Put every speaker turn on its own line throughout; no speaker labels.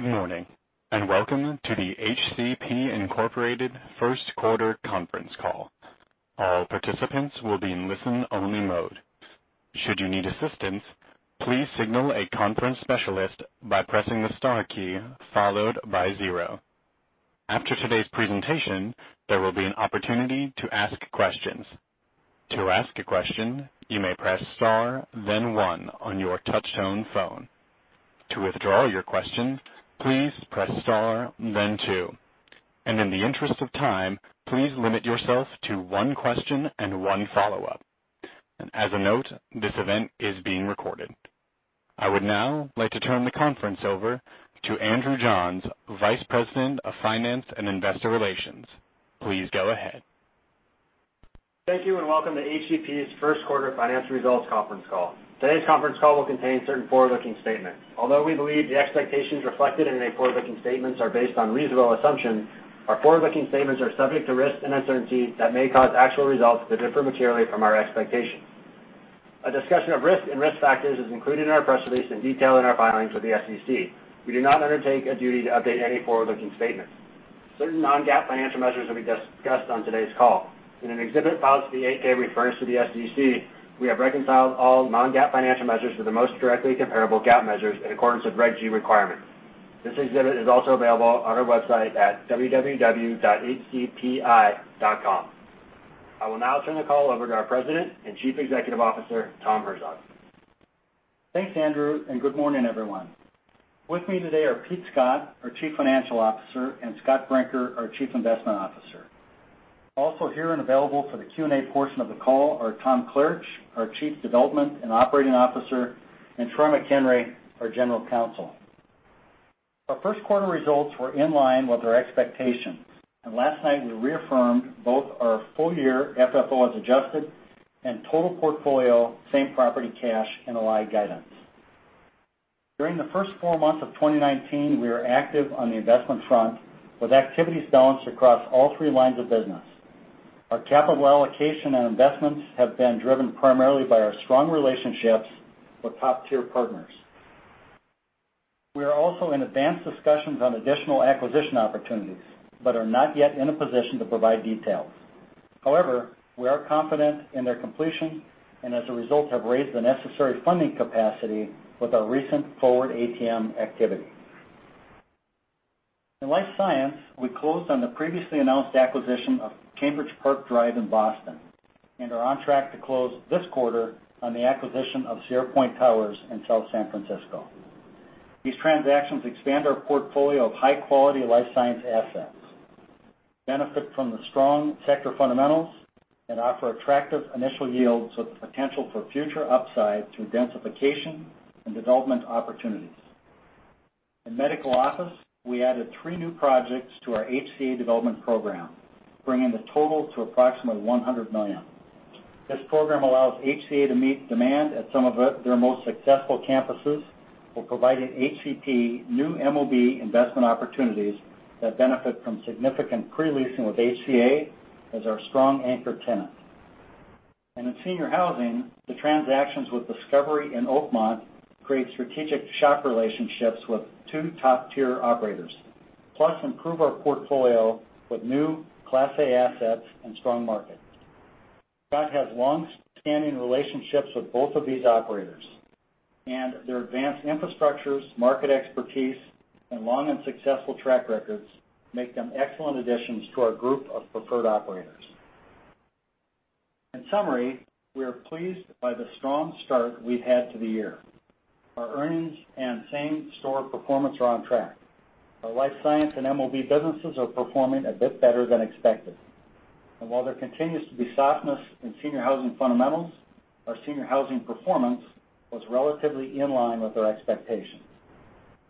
Good morning, welcome to the HCP, Inc. first quarter conference call. All participants will be in listen-only mode. Should you need assistance, please signal a conference specialist by pressing the Star key followed by zero. After today's presentation, there will be an opportunity to ask questions. To ask a question, you may press Star then one on your touchtone phone. To withdraw your question, please press Star then two. In the interest of time, please limit yourself to one question and one follow-up. As a note, this event is being recorded. I would now like to turn the conference over to Andrew Johns, Vice President of Finance and Investor Relations. Please go ahead.
Thank you, welcome to HCP's first quarter financial results conference call. Today's conference call will contain certain forward-looking statements. Although we believe the expectations reflected in any forward-looking statements are based on reasonable assumptions, our forward-looking statements are subject to risks and uncertainties that may cause actual results to differ materially from our expectations. A discussion of risk and risk factors is included in our press release in detail in our filings with the SEC. We do not undertake a duty to update any forward-looking statements. Certain non-GAAP financial measures will be discussed on today's call. In an exhibit filed to the 8-K we furnished to the SEC, we have reconciled all non-GAAP financial measures with the most directly comparable GAAP measures in accordance with Regulation G requirements. This exhibit is also available on our website at www.healthpeak.com. I will now turn the call over to our President and Chief Executive Officer, Tom Herzog.
Thanks, Andrew, good morning, everyone. With me today are Pete Scott, our Chief Financial Officer, and Scott Brinker, our Chief Investment Officer. Also here and available for the Q&A portion of the call are Tom Klarich, our Chief Development and Operating Officer, and Troy McHenry, our General Counsel. Our first quarter results were in line with our expectations. Last night we reaffirmed both our full-year FFO as adjusted and total portfolio same-property cash NOI guidance. During the first four months of 2019, we were active on the investment front with activity balanced across all three lines of business. Our capital allocation and investments have been driven primarily by our strong relationships with top-tier partners. We are also in advanced discussions on additional acquisition opportunities, are not yet in a position to provide details. We are confident in their completion, and as a result, have raised the necessary funding capacity with our recent forward ATM activity. In life science, we closed on the previously announced acquisition of CambridgePark Drive in Boston and are on track to close this quarter on the acquisition of Sierra Point Towers in South San Francisco. These transactions expand our portfolio of high-quality life science assets, benefit from the strong sector fundamentals, and offer attractive initial yields with the potential for future upside through densification and development opportunities. In medical office, we added three new projects to our HCA development program, bringing the total to approximately $100 million. This program allows HCA to meet demand at some of their most successful campuses while providing HCP new MOB investment opportunities that benefit from significant pre-leasing with HCA as our strong anchor tenant. In senior housing, the transactions with Discovery and Oakmont create strategic SHOP relationships with two top-tier operators. Improve our portfolio with new Class A assets and strong markets. Scott has long-standing relationships with both of these operators, their advanced infrastructures, market expertise, and long and successful track records make them excellent additions to our group of preferred operators. In summary, we are pleased by the strong start we've had to the year. Our earnings and same-store performance are on track. Our life science and MOB businesses are performing a bit better than expected. While there continues to be softness in senior housing fundamentals, our senior housing performance was relatively in line with our expectations.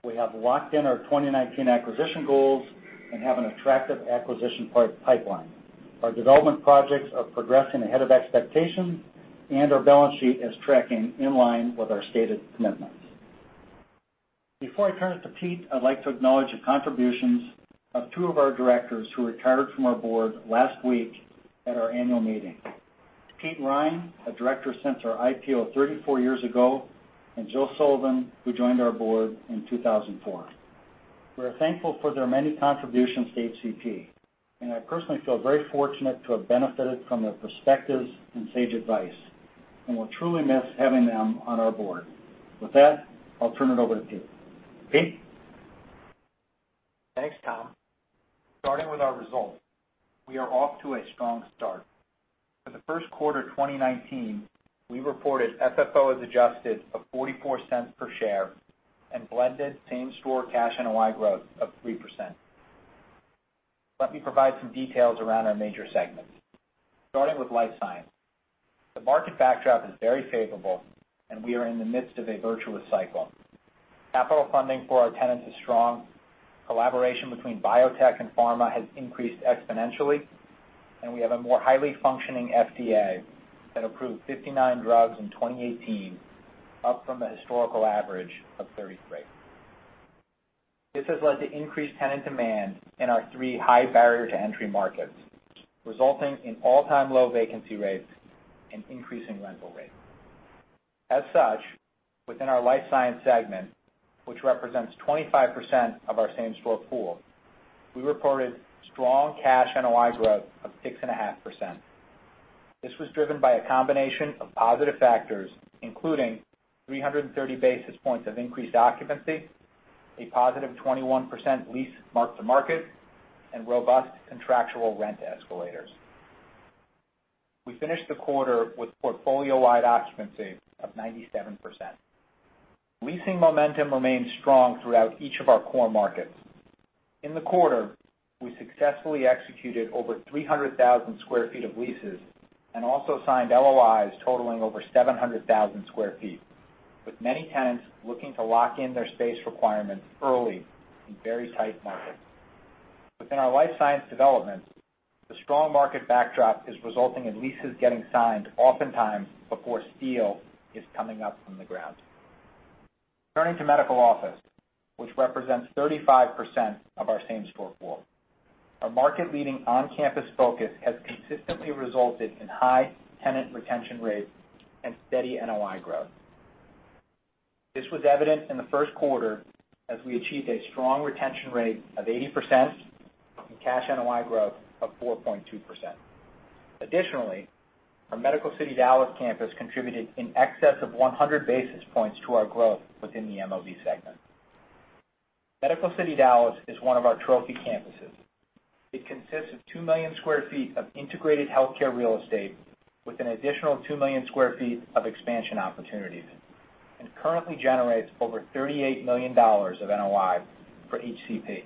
We have locked in our 2019 acquisition goals and have an attractive acquisition pipeline. Our development projects are progressing ahead of expectations, our balance sheet is tracking in line with our stated commitments. Before I turn it to Pete, I'd like to acknowledge the contributions of two of our directors who retired from our board last week at our annual meeting. Pete Rhein, a director since our IPO 34 years ago, Jill Sullivan, who joined our board in 2004. We are thankful for their many contributions to HCP, I personally feel very fortunate to have benefited from their perspectives and sage advice, we'll truly miss having them on our board. With that, I'll turn it over to Pete. Pete?
Thanks, Tom. Starting with our results, we are off to a strong start. For the first quarter 2019, we reported FFO as adjusted of $0.44 per share and blended same-store cash NOI growth of 3%. Let me provide some details around our major segments. Starting with life science. The market backdrop is very favorable, we are in the midst of a virtuous cycle. Capital funding for our tenants is strong, collaboration between biotech and pharma has increased exponentially, we have a more highly functioning FDA that approved 59 drugs in 2018, up from the historical average of 33. This has led to increased tenant demand in our three high barrier to entry markets, resulting in all-time low vacancy rates and increasing rental rates. As such, within our life science segment, which represents 25% of our same-store pool, we reported strong cash NOI growth of 6.5%. This was driven by a combination of positive factors, including 330 basis points of increased occupancy, a positive 21% lease mark-to-market, and robust contractual rent escalators. We finished the quarter with portfolio-wide occupancy of 97%. Leasing momentum remained strong throughout each of our core markets. In the quarter, we successfully executed over 300,000 square feet of leases and also signed LOIs totaling over 700,000 square feet, with many tenants looking to lock in their space requirements early in very tight markets. Within our life science developments, the strong market backdrop is resulting in leases getting signed oftentimes before steel is coming up from the ground. Turning to medical office, which represents 35% of our same-store pool. Our market-leading on-campus focus has consistently resulted in high tenant retention rates and steady NOI growth. This was evident in the first quarter, as we achieved a strong retention rate of 80% and cash NOI growth of 4.2%. Additionally, our Medical City Dallas campus contributed in excess of 100 basis points to our growth within the MOB segment. Medical City Dallas is one of our trophy campuses. It consists of 2 million square feet of integrated healthcare real estate with an additional 2 million square feet of expansion opportunities and currently generates over $38 million of NOI for HCP.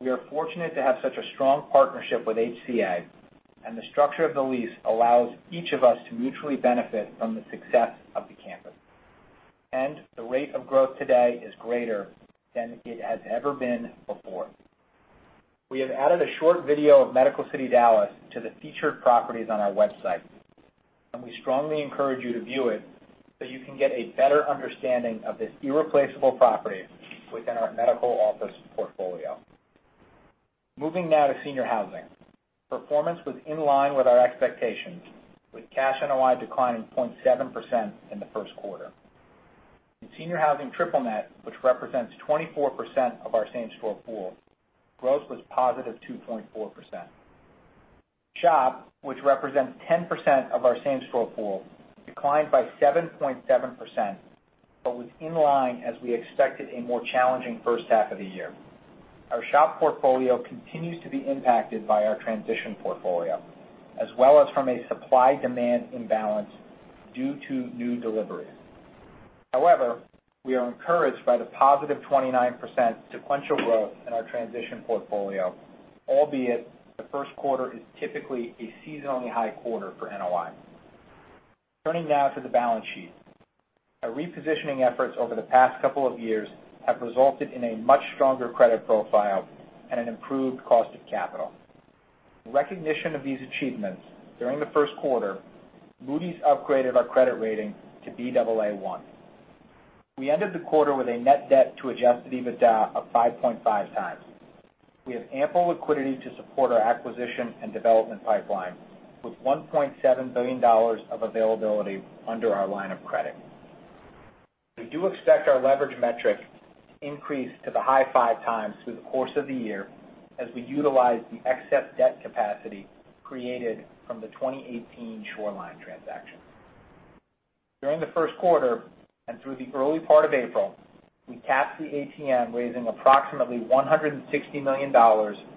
We are fortunate to have such a strong partnership with HCA. The structure of the lease allows each of us to mutually benefit from the success of the campus. The rate of growth today is greater than it has ever been before. We have added a short video of Medical City Dallas to the featured properties on our website. We strongly encourage you to view it so you can get a better understanding of this irreplaceable property within our medical office portfolio. Moving now to senior housing. Performance was in line with our expectations, with cash NOI declining 0.7% in the first quarter. In senior housing triple net, which represents 24% of our same-store pool, growth was positive 2.4%. SHOP, which represents 10% of our same-store pool, declined by 7.7%, but was in line as we expected a more challenging first half of the year. Our SHOP portfolio continues to be impacted by our transition portfolio, as well as from a supply-demand imbalance due to new deliveries. However, we are encouraged by the positive 29% sequential growth in our transition portfolio, albeit the first quarter is typically a seasonally high quarter for NOI. Turning now to the balance sheet. Our repositioning efforts over the past couple of years have resulted in a much stronger credit profile and an improved cost of capital. In recognition of these achievements, during the first quarter, Moody's upgraded our credit rating to Baa1. We ended the quarter with a net debt to adjusted EBITDA of 5.5 times. We have ample liquidity to support our acquisition and development pipeline, with $1.7 billion of availability under our line of credit. We do expect our leverage metric to increase to the high 5 times through the course of the year as we utilize the excess debt capacity created from the 2018 Shoreline transaction. During the first quarter and through the early part of April, we tapped the ATM, raising approximately $160 million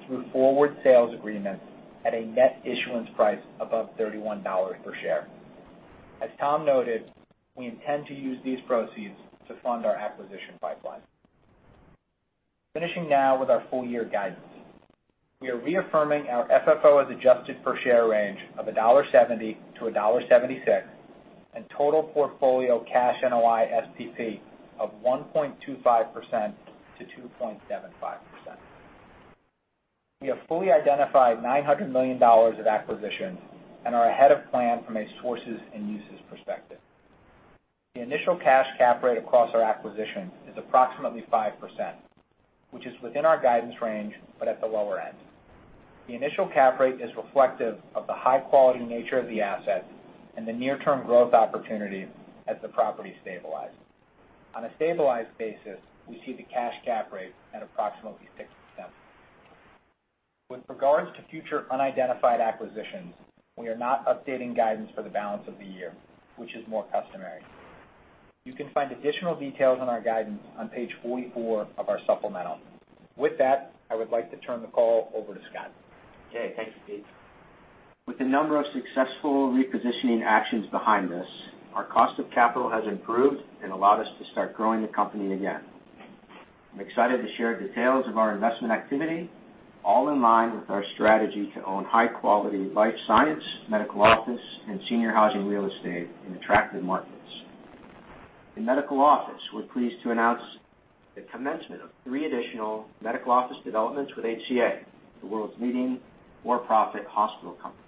through forward sales agreements at a net issuance price above $31 per share. As Tom noted, we intend to use these proceeds to fund our acquisition pipeline. Finishing now with our full-year guidance. We are reaffirming our FFO as adjusted per share range of $1.70 to $1.76, and total portfolio cash NOI STP of 1.25%-2.75%. We have fully identified $900 million of acquisitions and are ahead of plan from a sources and uses perspective. The initial cash cap rate across our acquisition is approximately 5%, which is within our guidance range, but at the lower end. The initial cap rate is reflective of the high-quality nature of the asset and the near-term growth opportunity as the property stabilizes. On a stabilized basis, we see the cash cap rate at approximately 6%. With regards to future unidentified acquisitions, we are not updating guidance for the balance of the year, which is more customary. You can find additional details on our guidance on page 44 of our supplemental. With that, I would like to turn the call over to Scott.
Okay. Thank you, Pete. With a number of successful repositioning actions behind us, our cost of capital has improved and allowed us to start growing the company again. I'm excited to share details of our investment activity, all in line with our strategy to own high-quality life science, medical office, and senior housing real estate in attractive markets. In medical office, we're pleased to announce the commencement of three additional medical office developments with HCA, the world's leading for-profit hospital company.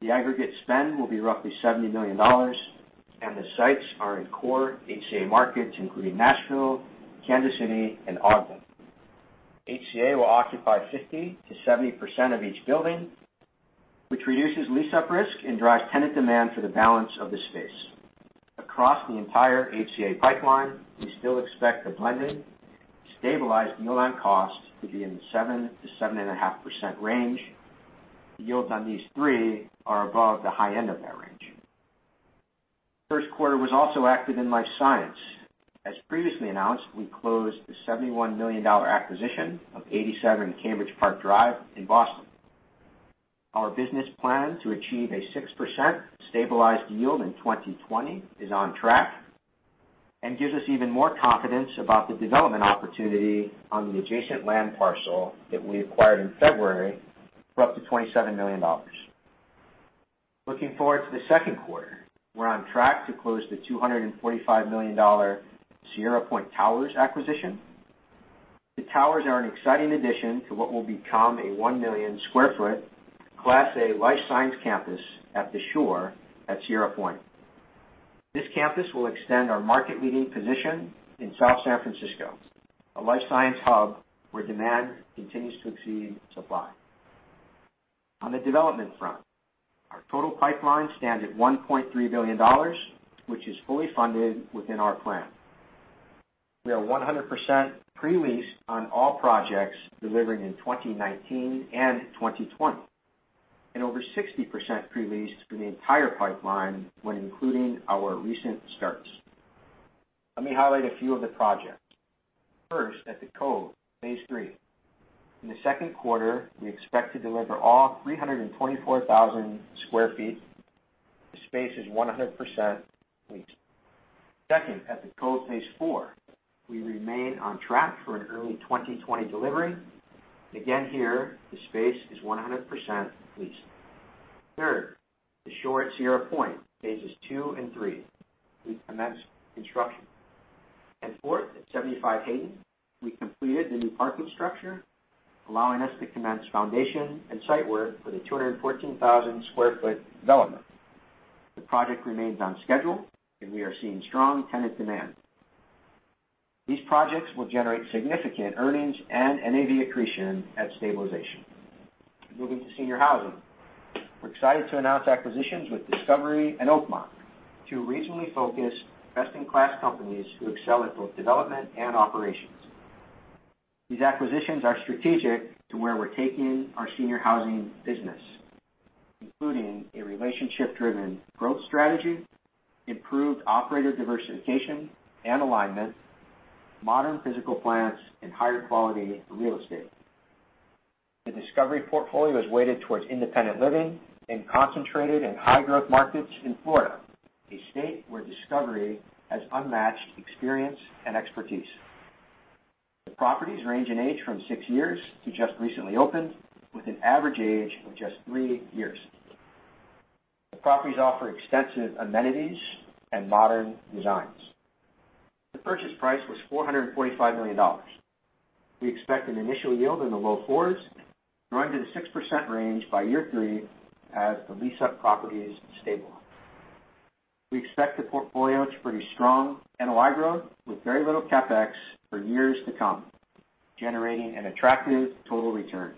The aggregate spend will be roughly $70 million, the sites are in core HCA markets, including Nashville, Kansas City, and Ogden. HCA will occupy 50%-70% of each building, which reduces lease-up risk and drives tenant demand for the balance of the space. Across the entire HCA pipeline, we still expect a blended, stabilized yield on cost to be in the 7%-7.5% range. The yields on these three are above the high end of that range. First quarter was also active in life science. As previously announced, we closed the $71 million acquisition of 87 Cambridge Park Drive in Boston. Our business plan to achieve a 6% stabilized yield in 2020 is on track and gives us even more confidence about the development opportunity on the adjacent land parcel that we acquired in February for up to $27 million. Looking forward to the second quarter, we're on track to close the $245 million Sierra Point Towers acquisition. The towers are an exciting addition to what will become a 1 million-square-foot, class A life science campus at the Shore at Sierra Point. This campus will extend our market-leading position in South San Francisco, a life science hub where demand continues to exceed supply. On the development front, our total pipeline stands at $1.3 billion, which is fully funded within our plan. We are 100% pre-leased on all projects delivering in 2019 and 2020, and over 60% pre-leased for the entire pipeline when including our recent starts. Let me highlight a few of the projects. First, at The Cove, phase 3. In the second quarter, we expect to deliver all 324,000 square feet. The space is 100% leased. Second, at The Cove, phase 4, we remain on track for an early 2020 delivery. Again here, the space is 100% leased. Third, The Shore at Sierra Point, phases 2 and 3, we've commenced construction. Fourth, at 75 Hayden, we completed the new parking structure, allowing us to commence foundation and site work for the 214,000 square foot development. The project remains on schedule, and we are seeing strong tenant demand. These projects will generate significant earnings and NAV accretion at stabilization. Moving to senior housing. We're excited to announce acquisitions with Discovery and Oakmont, two regionally focused, best-in-class companies who excel at both development and operations. These acquisitions are strategic to where we're taking our senior housing business, including a relationship-driven growth strategy, improved operator diversification and alignment, modern physical plants, and higher quality real estate. The Discovery portfolio is weighted towards independent living and concentrated in high-growth markets in Florida, a state where Discovery has unmatched experience and expertise. The properties range in age from six years to just recently opened, with an average age of just three years. The properties offer extensive amenities and modern designs. The purchase price was $445 million. We expect an initial yield in the low fours, growing to the 6% range by year three as the lease-up properties stabilize. We expect the portfolio to produce strong NOI growth with very little CapEx for years to come, generating an attractive total return.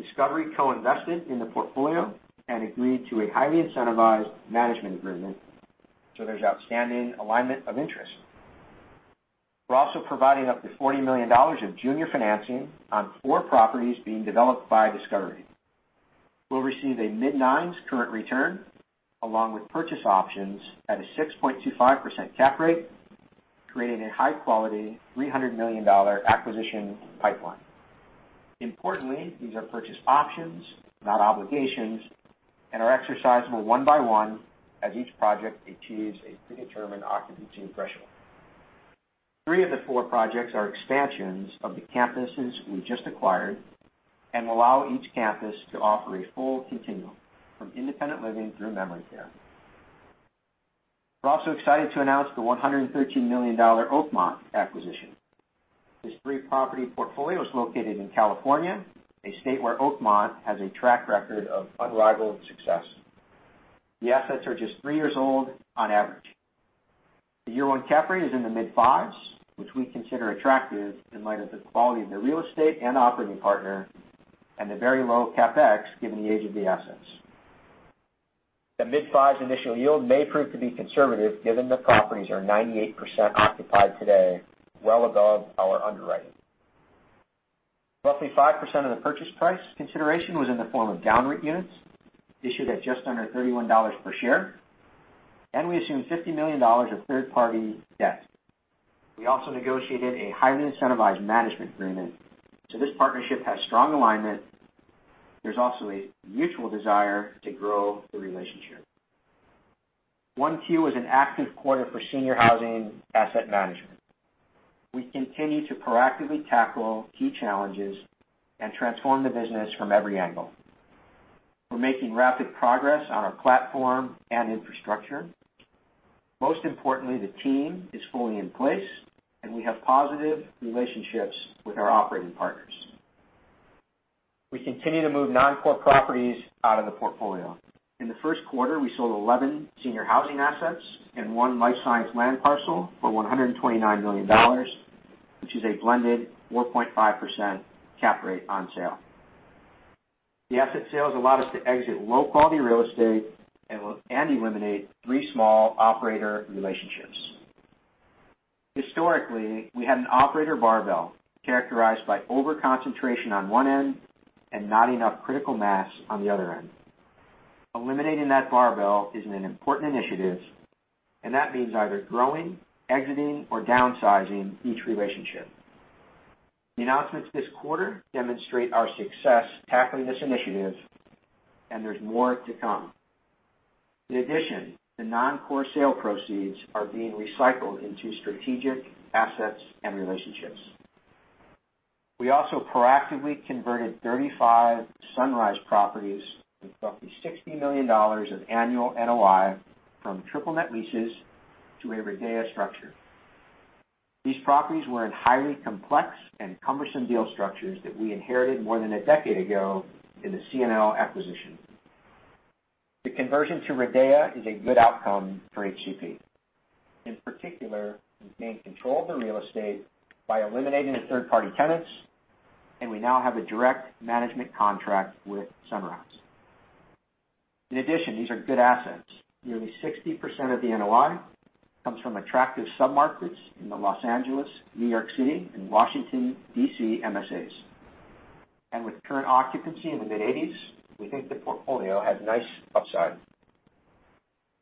Discovery co-invested in the portfolio and agreed to a highly incentivized management agreement, so there's outstanding alignment of interest. We're also providing up to $40 million of junior financing on four properties being developed by Discovery. We'll receive a mid-nines current return along with purchase options at a 6.25% cap rate, creating a high-quality $300 million acquisition pipeline. Importantly, these are purchase options, not obligations, and are exercisable one by one as each project achieves a predetermined occupancy threshold. Three of the four projects are expansions of the campuses we just acquired and will allow each campus to offer a full continuum from independent living through memory care. We're also excited to announce the $113 million Oakmont acquisition. This three-property portfolio is located in California, a state where Oakmont has a track record of unrivaled success. The assets are just three years old on average. The year one cap rate is in the mid-fives, which we consider attractive in light of the quality of the real estate and operating partner, and the very low CapEx given the age of the assets. The mid-fives initial yield may prove to be conservative given the properties are 98% occupied today, well above our underwriting. Roughly 5% of the purchase price consideration was in the form of DownREIT units issued at just under $31 per share, and we assume $50 million of third-party debt. We also negotiated a highly incentivized management agreement, so this partnership has strong alignment. There's also a mutual desire to grow the relationship. 1Q was an active quarter for senior housing asset management. We continue to proactively tackle key challenges and transform the business from every angle. We're making rapid progress on our platform and infrastructure. Most importantly, the team is fully in place, and we have positive relationships with our operating partners. We continue to move non-core properties out of the portfolio. In the first quarter, we sold 11 senior housing assets and one life science land parcel for $129 million, which is a blended 4.5% cap rate on sale. The asset sales allow us to exit low-quality real estate and eliminate three small operator relationships. Historically, we had an operator barbell characterized by over-concentration on one end and not enough critical mass on the other end. Eliminating that barbell is an important initiative, and that means either growing, exiting, or downsizing each relationship. The announcements this quarter demonstrate our success tackling this initiative, and there's more to come. In addition, the non-core sale proceeds are being recycled into strategic assets and relationships. We also proactively converted 35 Sunrise properties with roughly $60 million of annual NOI from triple net leases to a RIDEA structure. These properties were in highly complex and cumbersome deal structures that we inherited more than a decade ago in the CNL acquisition. The conversion to RIDEA is a good outcome for HCP. In particular, we've maintained control of the real estate by eliminating the third-party tenants, and we now have a direct management contract with Sunrise. In addition, these are good assets. Nearly 60% of the NOI comes from attractive submarkets in the Los Angeles, New York City, and Washington, D.C. MSAs. With current occupancy in the mid-80s, we think the portfolio has nice upside.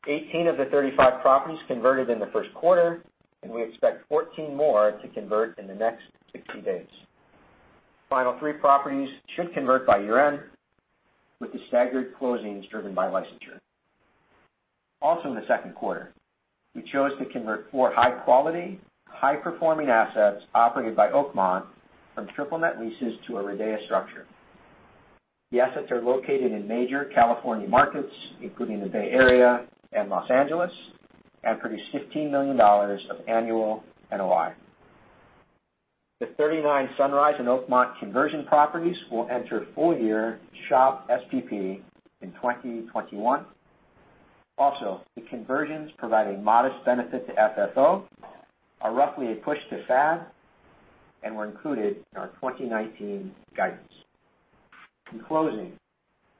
18 of the 35 properties converted in the first quarter, and we expect 14 more to convert in the next 60 days. The final three properties should convert by year-end, with the staggered closings driven by licensure. In the second quarter, we chose to convert four high-quality, high-performing assets operated by Oakmont from triple net leases to a RIDEA structure. The assets are located in major California markets, including the Bay Area and Los Angeles, and produce $15 million of annual NOI. The 39 Sunrise and Oakmont conversion properties will enter full-year SHOP SPP in 2021. The conversions provide a modest benefit to FFO, are roughly a push to FAD, and were included in our 2019 guidance. In closing,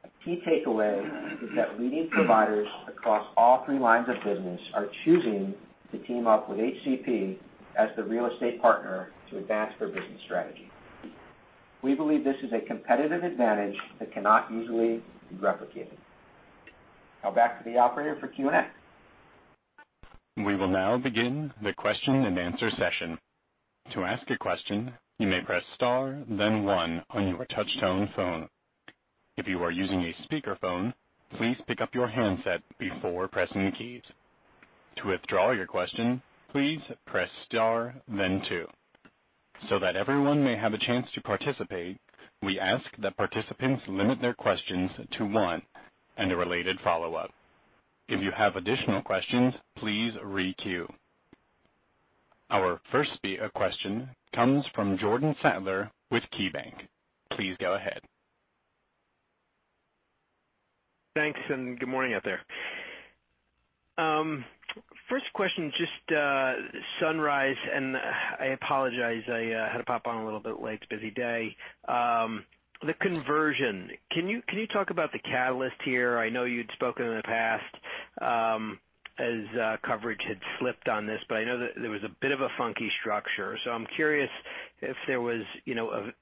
a key takeaway is that leading providers across all three lines of business are choosing to team up with HCP as the real estate partner to advance their business strategy. We believe this is a competitive advantage that cannot easily be replicated. Now back to the operator for Q&A.
We will now begin the question and answer session. To ask a question, you may press star then one on your touch-tone phone. If you are using a speakerphone, please pick up your handset before pressing the keys. To withdraw your question, please press star then two. That everyone may have a chance to participate, we ask that participants limit their questions to one and a related follow-up. If you have additional questions, please re-queue. Our first question comes from Jordan Sadler with KeyBanc. Please go ahead.
Thanks, good morning out there. First question, just Sunrise, I apologize I had to pop on a little bit late. It's a busy day. The conversion. Can you talk about the catalyst here? I know you'd spoken in the past as coverage had slipped on this, but I know that there was a bit of a funky structure. I'm curious if there was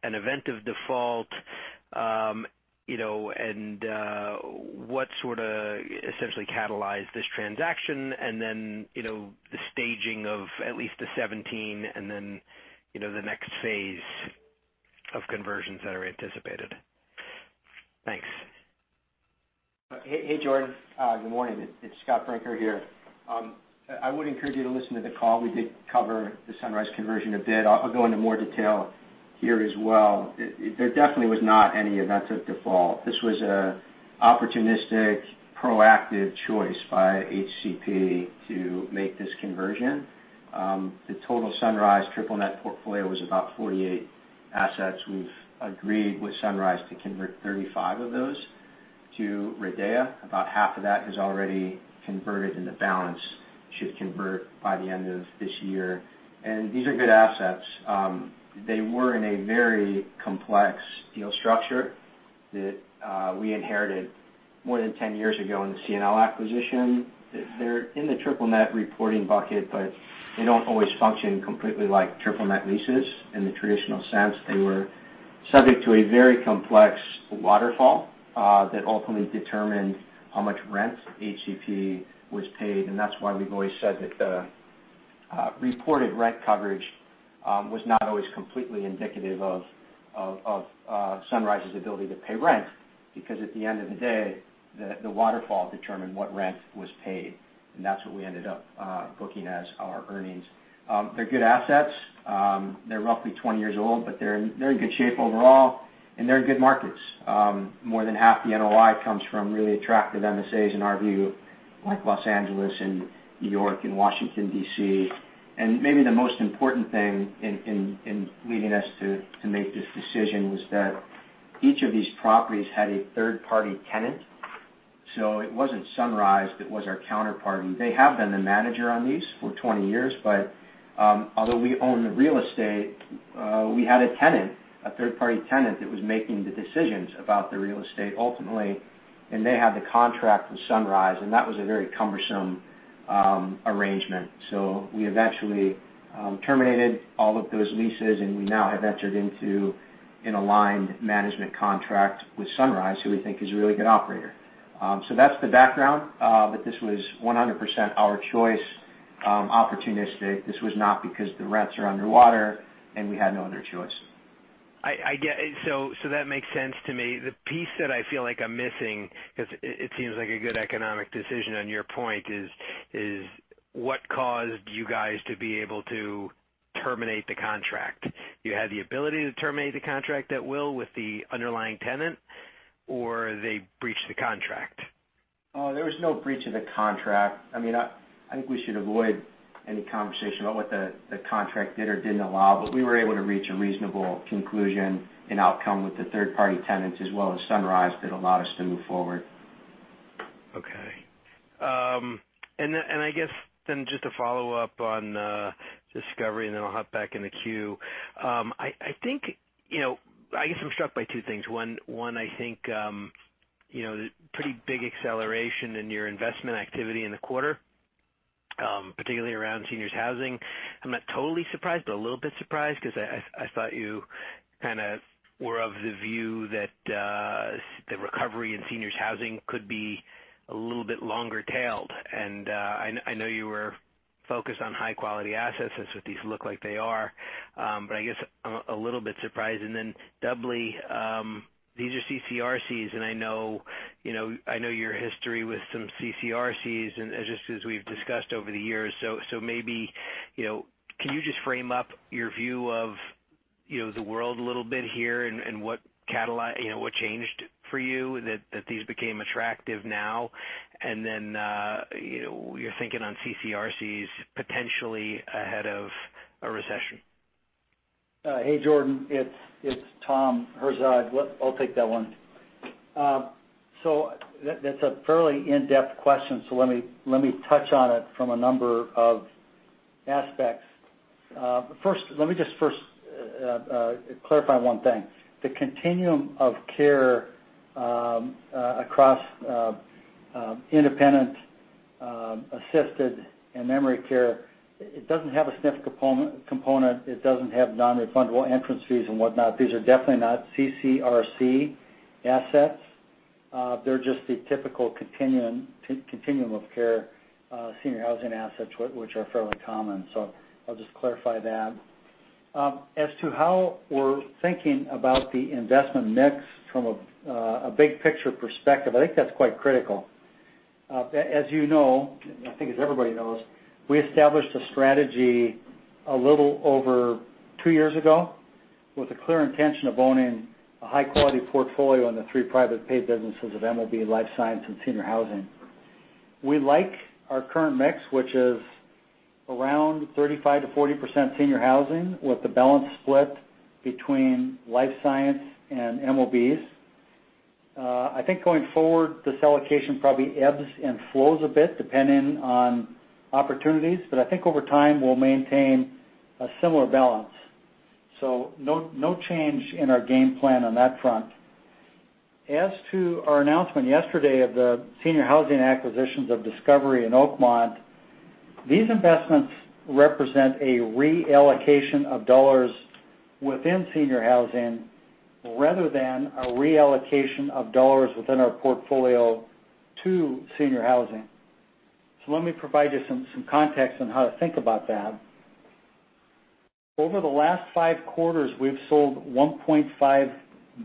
an event of default, and what sort of essentially catalyzed this transaction and then the staging of at least the 17 and then the next phase of conversions that are anticipated. Thanks.
Hey, Jordan. Good morning. It's Scott Brinker here. I would encourage you to listen to the call. We did cover the Sunrise conversion a bit. I'll go into more detail here as well. There definitely was not any event of default. This was an opportunistic, proactive choice by HCP to make this conversion. The total Sunrise triple net portfolio was about 48 assets. We've agreed with Sunrise to convert 35 of those to RIDEA. About half of that has already converted, and the balance should convert by the end of this year. These are good assets. They were in a very complex deal structure that we inherited more than 10 years ago in the CNL acquisition. They're in the triple net reporting bucket, but they don't always function completely like triple net leases in the traditional sense. They were subject to a very complex waterfall that ultimately determined how much rent HCP was paid, that's why we've always said that the reported rent coverage was not always completely indicative of Sunrise's ability to pay rent, because at the end of the day, the waterfall determined what rent was paid. That's what we ended up booking as our earnings. They're good assets. They're roughly 20 years old, but they're in good shape overall, and they're in good markets. More than half the NOI comes from really attractive MSAs in our view like Los Angeles and New York and Washington, D.C. Maybe the most important thing in leading us to make this decision was that each of these properties had a third-party tenant. It wasn't Sunrise, it was our counterparty. They have been the manager on these for 20 years, but although we own the real estate, we had a tenant, a third-party tenant, that was making the decisions about the real estate ultimately, and they had the contract with Sunrise, and that was a very cumbersome arrangement. We eventually terminated all of those leases, and we now have entered into an aligned management contract with Sunrise, who we think is a really good operator. That's the background, but this was 100% our choice, opportunistic. This was not because the rents are underwater and we had no other choice.
I get it. That makes sense to me. The piece that I feel like I'm missing, because it seems like a good economic decision on your point is, what caused you guys to be able to terminate the contract? You had the ability to terminate the contract at will with the underlying tenant, or they breached the contract?
Oh, there was no breach of the contract. I think we should avoid any conversation about what the contract did or didn't allow, but we were able to reach a reasonable conclusion and outcome with the third-party tenants as well as Sunrise that allowed us to move forward.
Okay. I guess then just to follow up on Discovery, and then I'll hop back in the queue. I guess I'm struck by two things. One, I think, the pretty big acceleration in your investment activity in the quarter, particularly around seniors housing. I'm not totally surprised, but a little bit surprised because I thought you kind of were of the view that the recovery in seniors housing could be a little bit longer tailed. I know you were focused on high-quality assets. That's what these look like they are. I guess I'm a little bit surprised. Doubly, these are CCRCs, and I know your history with some CCRCs, and as we've discussed over the years. Maybe, can you just frame up your view of the world a little bit here and what changed for you that these became attractive now? Your thinking on CCRCs potentially ahead of a recession.
Hey, Jordan. It's Tom Herzog. I'll take that one. That's a fairly in-depth question, so let me touch on it from a number of aspects. First, let me just clarify one thing. The continuum of care across independent, assisted, and memory care, it doesn't have a SNF component. It doesn't have non-refundable entrance fees and whatnot. These are definitely not CCRC assets. They're just the typical continuum of care senior housing assets, which are fairly common. I'll just clarify that. As to how we're thinking about the investment mix from a big-picture perspective, I think that's quite critical. As you know, I think as everybody knows, we established a strategy a little over two years ago with the clear intention of owning a high-quality portfolio in the three private pay businesses of MOB, life science, and senior housing. We like our current mix, which is around 35%-40% senior housing, with the balance split between life science and MOBs. I think going forward, this allocation probably ebbs and flows a bit depending on opportunities. I think over time, we'll maintain a similar balance. No change in our game plan on that front. As to our announcement yesterday of the senior housing acquisitions of Discovery and Oakmont, these investments represent a reallocation of dollars within senior housing rather than a reallocation of dollars within our portfolio to senior housing. Let me provide you some context on how to think about that. Over the last five quarters, we've sold $1.5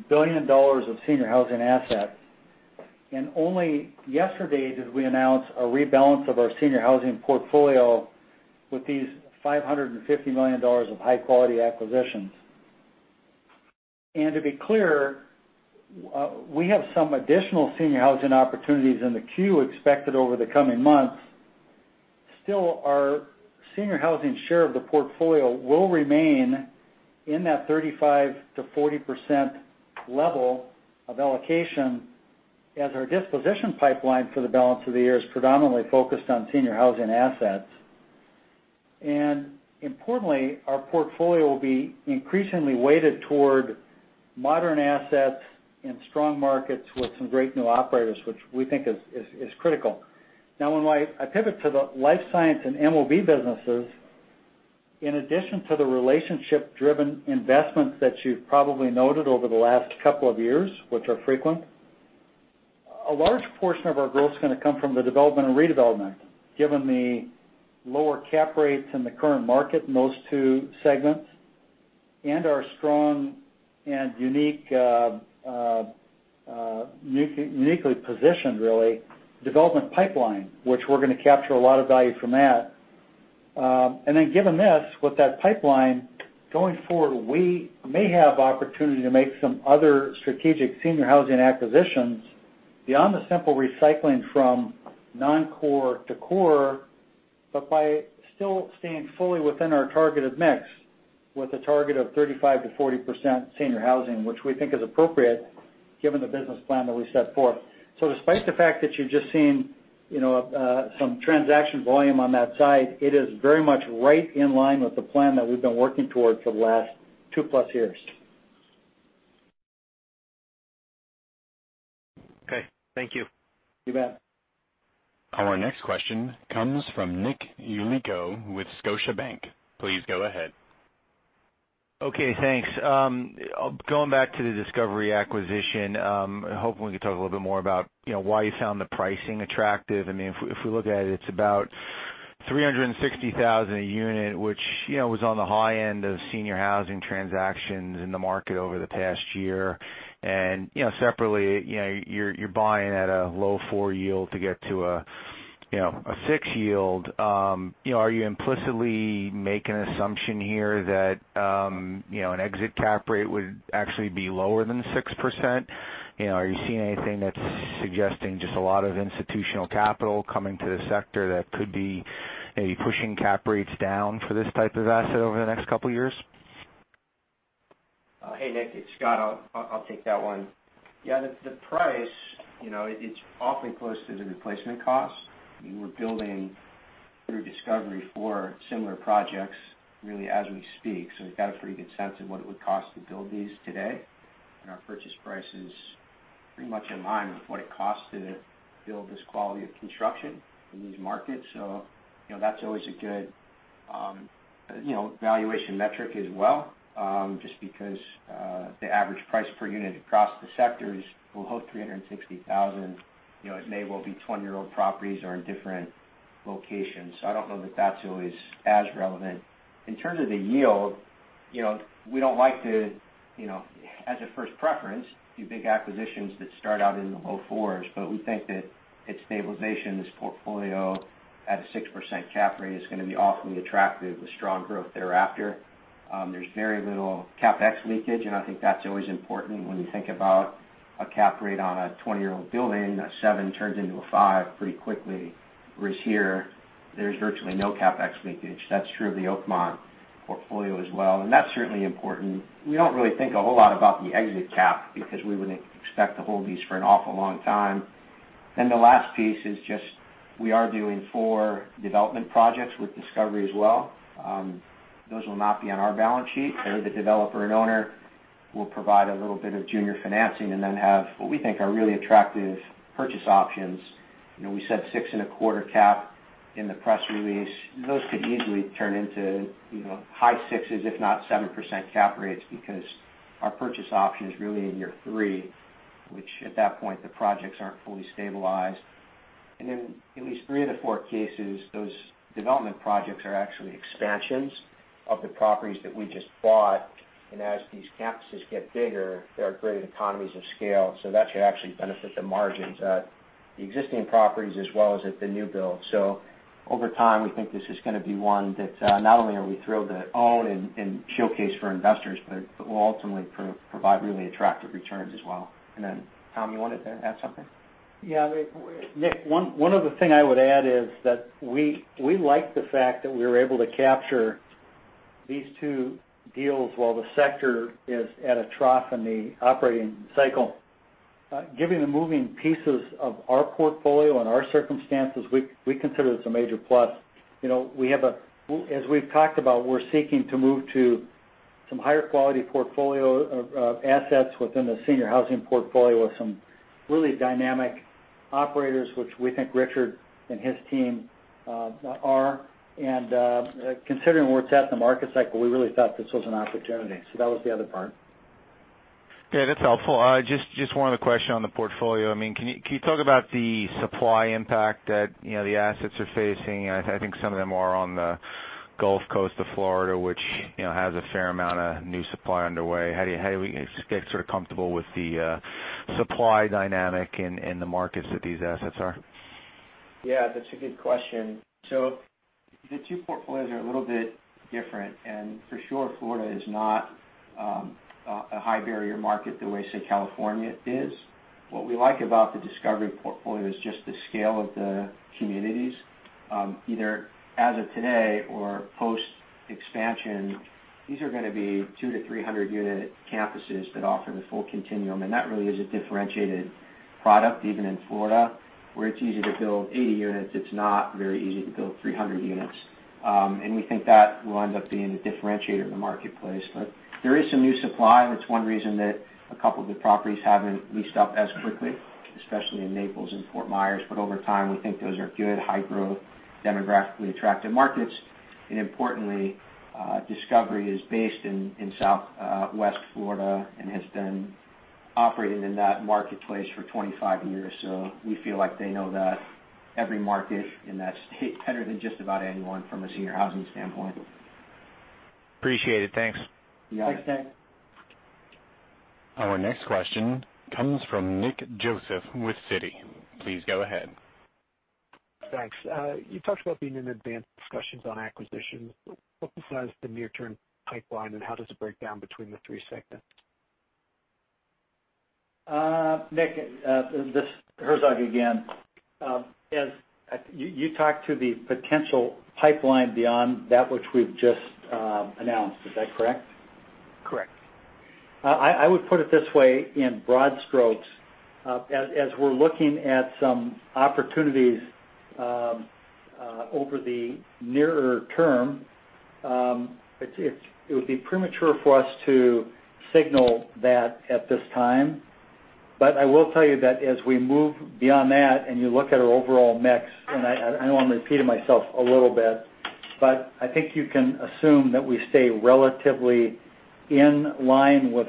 billion of senior housing assets, and only yesterday did we announce a rebalance of our senior housing portfolio with these $550 million of high-quality acquisitions. To be clear, we have some additional senior housing opportunities in the queue expected over the coming months. Still, our senior housing share of the portfolio will remain in that 35%-40% level of allocation as our disposition pipeline for the balance of the year is predominantly focused on senior housing assets. Importantly, our portfolio will be increasingly weighted toward modern assets in strong markets with some great new operators, which we think is critical. When I pivot to the life science and MOB businesses, in addition to the relationship-driven investments that you've probably noted over the last couple of years, which are frequent, a large portion of our growth is going to come from the development and redevelopment, given the lower cap rates in the current market in those two segments and our strong and uniquely positioned really, development pipeline, which we're going to capture a lot of value from that.
Given this, with that pipeline going forward, we may have opportunity to make some other strategic senior housing acquisitions beyond the simple recycling from non-core to core, but by still staying fully within our targeted mix with a target of 35%-40% senior housing, which we think is appropriate given the business plan that we set forth. Despite the fact that you've just seen some transaction volume on that side, it is very much right in line with the plan that we've been working towards for the last two-plus years.
Okay. Thank you.
You bet.
Our next question comes from Nick Yulico with Scotiabank. Please go ahead.
Okay. Thanks. Going back to the Discovery acquisition, hoping we could talk a little bit more about why you found the pricing attractive. Separately, you're buying at a low 4 yield to get to a 6 yield. Are you implicitly making an assumption here that an exit cap rate would actually be lower than 6%? Are you seeing anything that's suggesting just a lot of institutional capital coming to the sector that could be maybe pushing cap rates down for this type of asset over the next couple of years?
Hey, Nick, it's Scott. I'll take that one. Yeah. The price, it's awfully close to the replacement cost. We're building through Discovery for similar projects really as we speak. We've got a pretty good sense of what it would cost to build these today. Our purchase price is pretty much in line with what it costs to build this quality of construction in these markets. That's always a good valuation metric as well, just because the average price per unit across the sectors will hold 360,000. It may well be 20-year-old properties or in different locations. I don't know that that's always as relevant. In terms of the yield, we don't like to, as a first preference, do big acquisitions that start out in the low 4s, but we think that its stabilization, this portfolio at a 6% cap rate is going to be awfully attractive with strong growth thereafter. There's very little CapEx leakage, and I think that's always important when you think about a cap rate on a 20-year-old building. A 7 turns into a 5 pretty quickly, whereas here, there's virtually no CapEx leakage. That's true of the Oakmont portfolio as well, and that's certainly important. We don't really think a whole lot about the exit cap because we wouldn't expect to hold these for an awful long time. The last piece is just we are doing 4 development projects with Discovery as well. Those will not be on our balance sheet. They're the developer and owner. We'll provide a little bit of junior financing and then have what we think are really attractive purchase options. We said 6.25% cap in the press release. Those could easily turn into high sixes, if not 7% cap rates, because our purchase option is really in year three, which at that point, the projects aren't fully stabilized. In at least three of the four cases, those development projects are actually expansions of the properties that we just bought. As these campuses get bigger, there are greater economies of scale. That should actually benefit the margins at the existing properties as well as at the new build. Over time, we think this is going to be one that not only are we thrilled to own and showcase for investors, but will ultimately provide really attractive returns as well. Tom, you wanted to add something?
Yeah. Nick, one other thing I would add is that we like the fact that we were able to capture these two deals while the sector is at a trough in the operating cycle. Given the moving pieces of our portfolio and our circumstances, we consider this a major plus. As we've talked about, we're seeking to move to some higher-quality portfolio of assets within the senior housing portfolio with some really dynamic operators, which we think Richard and his team are. Considering where it's at in the market cycle, we really thought this was an opportunity. That was the other part.
Yeah, that's helpful. Just one other question on the portfolio. Can you talk about the supply impact that the assets are facing? I think some of them are on the Gulf Coast of Florida, which has a fair amount of new supply underway. How do we get sort of comfortable with the supply dynamic in the markets that these assets are?
Yeah, that's a good question. The two portfolios are a little bit different, and for sure, Florida is not a high-barrier market the way, say, California is. What we like about the Discovery portfolio is just the scale of the communities. Either as of today or post-expansion, these are going to be 200-300-unit campuses that offer the full continuum, and that really is a differentiated product, even in Florida, where it's easy to build 80 units, it's not very easy to build 300 units. We think that will end up being a differentiator in the marketplace. There is some new supply. That's one reason that a couple of the properties haven't leased up as quickly, especially in Naples and Fort Myers. Over time, we think those are good, high-growth, demographically attractive markets. Importantly, Discovery is based in Southwest Florida and has been operating in that marketplace for 25 years. We feel like they know that every market in that state better than just about anyone from a senior housing standpoint.
Appreciate it. Thanks.
You got it.
Thanks, Nick.
Our next question comes from Nick Joseph with Citi. Please go ahead.
Thanks. You talked about being in advanced discussions on acquisitions. What the size of the near-term pipeline, and how does it break down between the three sectors?
Nick, this is Herzog again. You talked to the potential pipeline beyond that which we've just announced. Is that correct?
Correct.
I would put it this way in broad strokes. As we're looking at some opportunities over the nearer term, it would be premature for us to signal that at this time. I will tell you that as we move beyond that and you look at our overall mix, I know I'm repeating myself a little bit, I think you can assume that we stay relatively in line with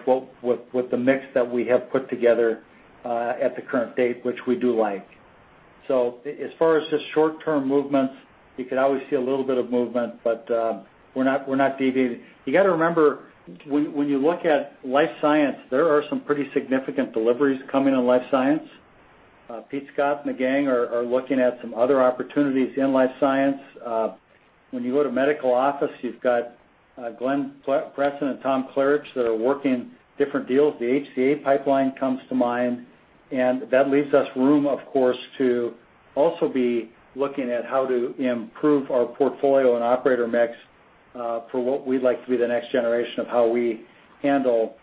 the mix that we have put together at the current date, which we do like. As far as the short-term movements, you could always see a little bit of movement, we're not deviating. You got to remember, when you look at life science, there are some pretty significant deliveries coming in life science. Pete Scott and the gang are looking at some other opportunities in life science. When you go to medical office, you've got Glenn Preston and Tom Klarich that are working different deals. The HCA pipeline comes to mind. That leaves us room, of course, to also be looking at how to improve our portfolio and operator mix for what we'd like to be the next generation of how we handle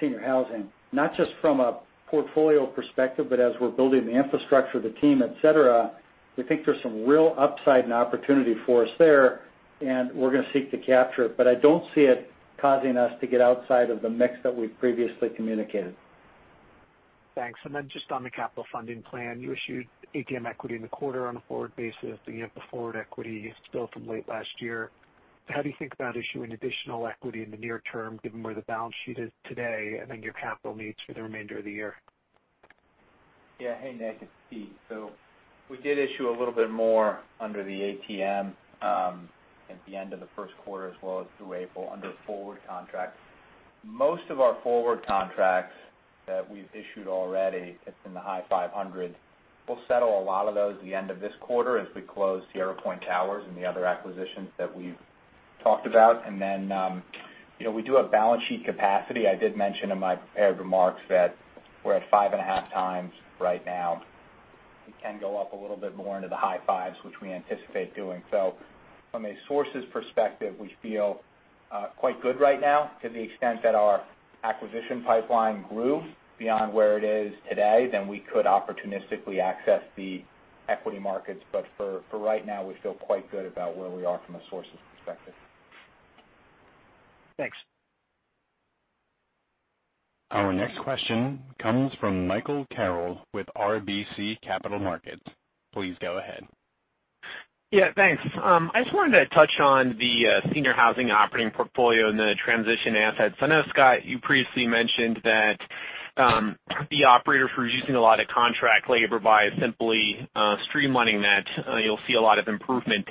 senior housing. Not just from a portfolio perspective, but as we're building the infrastructure, the team, et cetera, we think there's some real upside and opportunity for us there, and we're going to seek to capture it. I don't see it causing us to get outside of the mix that we've previously communicated.
Thanks. Just on the capital funding plan, you issued ATM equity in the quarter on a forward basis, and you have the forward equity still from late last year. How do you think about issuing additional equity in the near term, given where the balance sheet is today, your capital needs for the remainder of the year?
Hey, Nick, it's Pete. We did issue a little bit more under the ATM at the end of the first quarter as well as through April under forward contracts. Most of our forward contracts that we've issued already, it's in the high $500. We'll settle a lot of those at the end of this quarter as we close Sierra Point Towers and the other acquisitions that we've talked about. We do have balance sheet capacity. I did mention in my prepared remarks that we're at 5.5 times right now. We can go up a little bit more into the high 5s, which we anticipate doing. From a sources perspective, we feel quite good right now to the extent that our acquisition pipeline grew beyond where it is today, we could opportunistically access the equity markets. For right now, we feel quite good about where we are from a sources perspective.
Thanks.
Our next question comes from Michael Carroll with RBC Capital Markets. Please go ahead.
Yeah, thanks. I just wanted to touch on the senior housing operating portfolio and the transition assets. I know, Scott, you previously mentioned that the operator for using a lot of contract labor by simply streamlining that, you'll see a lot of improvement.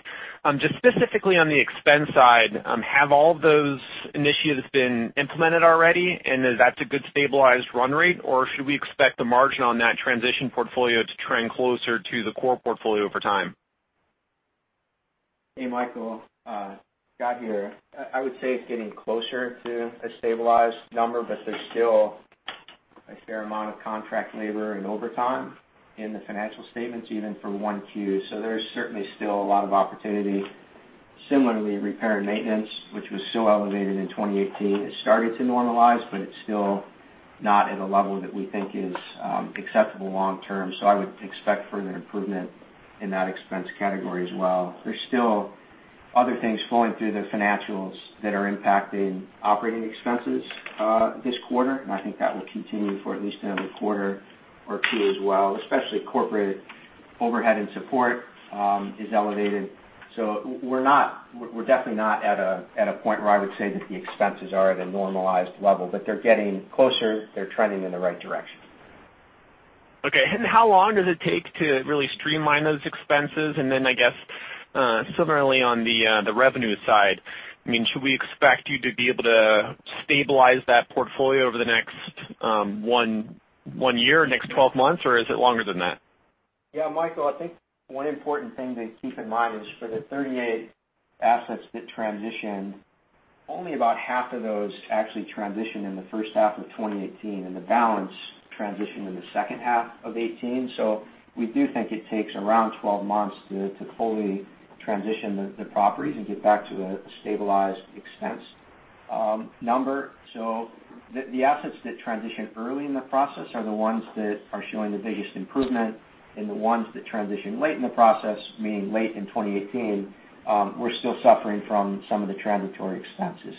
Just specifically on the expense side, have all of those initiatives been implemented already, and is that a good stabilized run rate, or should we expect the margin on that transition portfolio to trend closer to the core portfolio over time?
Hey, Michael. Scott here. I would say it's getting closer to a stabilized number, but there's still a fair amount of contract labor and overtime in the financial statements, even for one Q. There's certainly still a lot of opportunity. Similarly, repair and maintenance, which was so elevated in 2018, has started to normalize, but it's still not at a level that we think is acceptable long term. I would expect further improvement in that expense category as well. There's still other things flowing through the financials that are impacting operating expenses this quarter, and I think that will continue for at least another quarter or two as well, especially corporate overhead and support is elevated. We're definitely not at a point where I would say that the expenses are at a normalized level, but they're getting closer. They're trending in the right direction.
Okay. How long does it take to really streamline those expenses? I guess, similarly on the revenue side, should we expect you to be able to stabilize that portfolio over the next one year, next 12 months, or is it longer than that?
Michael, I think one important thing to keep in mind is for the 38 assets that transitioned, only about half of those actually transitioned in the first half of 2018, and the balance transitioned in the second half of 2018. We do think it takes around 12 months to fully transition the properties and get back to a stabilized expense number. The assets that transition early in the process are the ones that are showing the biggest improvement, and the ones that transition late in the process, meaning late in 2018, we're still suffering from some of the transitory expenses.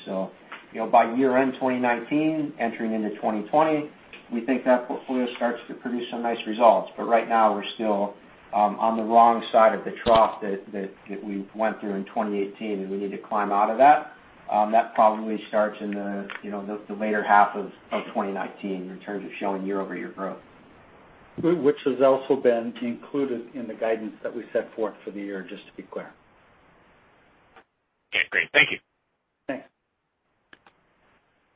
By year-end 2019, entering into 2020, we think that portfolio starts to produce some nice results. Right now, we're still on the wrong side of the trough that we went through in 2018, and we need to climb out of that. That probably starts in the later half of 2019 in terms of showing year-over-year growth.
Which has also been included in the guidance that we set forth for the year, just to be clear.
Okay, great. Thank you.
Thanks.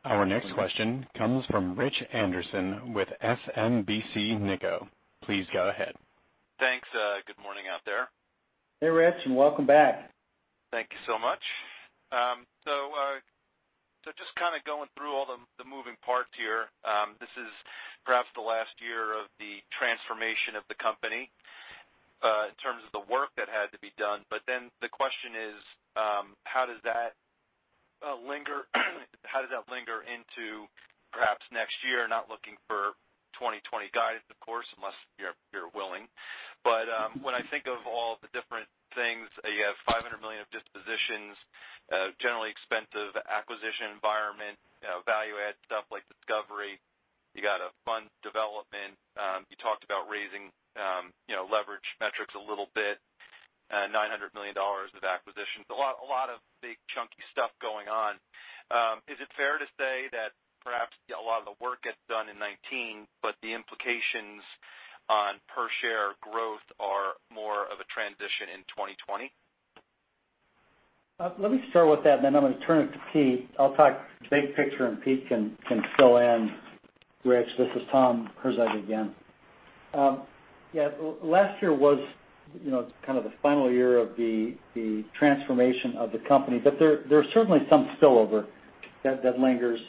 Our next question comes from Rich Anderson with SMBC Nikko. Please go ahead.
Thanks. Good morning out there.
Hey, Rich, welcome back.
Thank you so much. Just kind of going through all the moving parts here. This is perhaps the last year of the transformation of the company in terms of the work that had to be done. The question is, how does that linger into perhaps next year? Not looking for 2020 guidance, of course, unless you're willing. When I think of all the different things, you have $500 million of dispositions, generally expensive acquisition environment, value-add stuff like Discovery. You got a fund development. You talked about raising leverage metrics a little bit, $900 million of acquisitions. A lot of big chunky stuff going on. Is it fair to say that perhaps a lot of the work gets done in 2019, but the implications on per-share growth are more of a transition in 2020?
Let me start with that. I'm going to turn it to Pete. I'll talk big picture, and Pete can fill in. Rich, this is Tom Herzog again. Yeah, last year was kind of the final year of the transformation of the company, but there's certainly some spillover that lingers.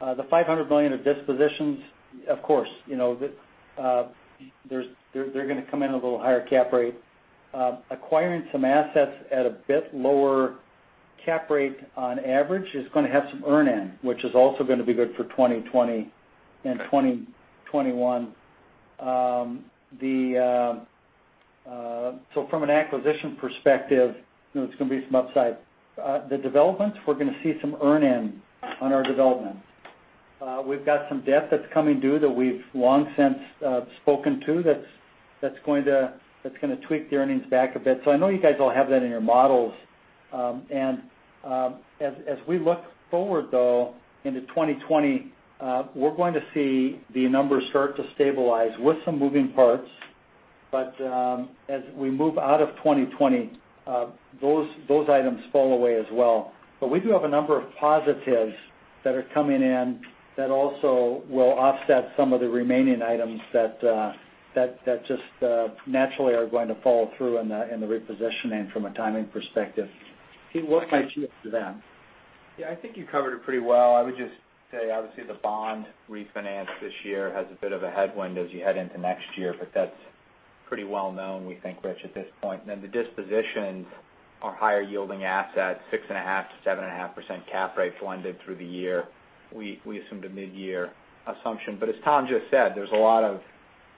The $500 million of dispositions, of course, they're going to come in at a little higher cap rate. Acquiring some assets at a bit lower cap rate on average is going to have some earn-in, which is also going to be good for 2020 and 2021. From an acquisition perspective, there's going to be some upside. The developments, we're going to see some earn-in on our developments. We've got some debt that's coming due that we've long since spoken to that's going to tweak the earnings back a bit. I know you guys all have that in your models. As we look forward, though, into 2020, we're going to see the numbers start to stabilize with some moving parts. As we move out of 2020, those items fall away as well. We do have a number of positives that are coming in that also will offset some of the remaining items that just naturally are going to fall through in the repositioning from a timing perspective. Pete, what might you add to that?
I think you covered it pretty well. I would just say, obviously, the bond refinance this year has a bit of a headwind as you head into next year, that's pretty well known, we think, Rich, at this point. The dispositions are higher-yielding assets, 6.5%-7.5% cap rates blended through the year. We assumed a mid-year assumption. As Tom just said, there's a lot of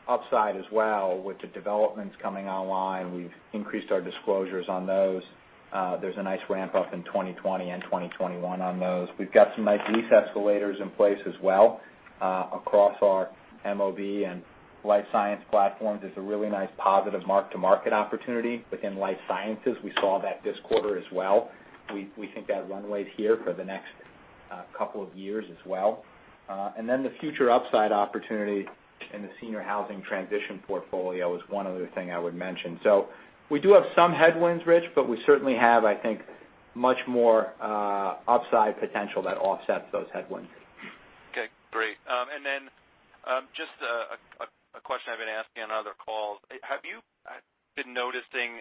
upside as well with the developments coming online. We've increased our disclosures on those. There's a nice ramp-up in 2020 and 2021 on those. We've got some nice lease escalators in place as well. Across our MOB and life science platforms, there's a really nice positive mark-to-market opportunity within life sciences. We saw that this quarter as well. We think that runway is here for the next couple of years as well. The future upside opportunity in the senior housing transition portfolio is one other thing I would mention. We do have some headwinds, Rich, we certainly have, I think, much more upside potential that offsets those headwinds.
Okay, great. Just a question I've been asking on other calls. Have you been noticing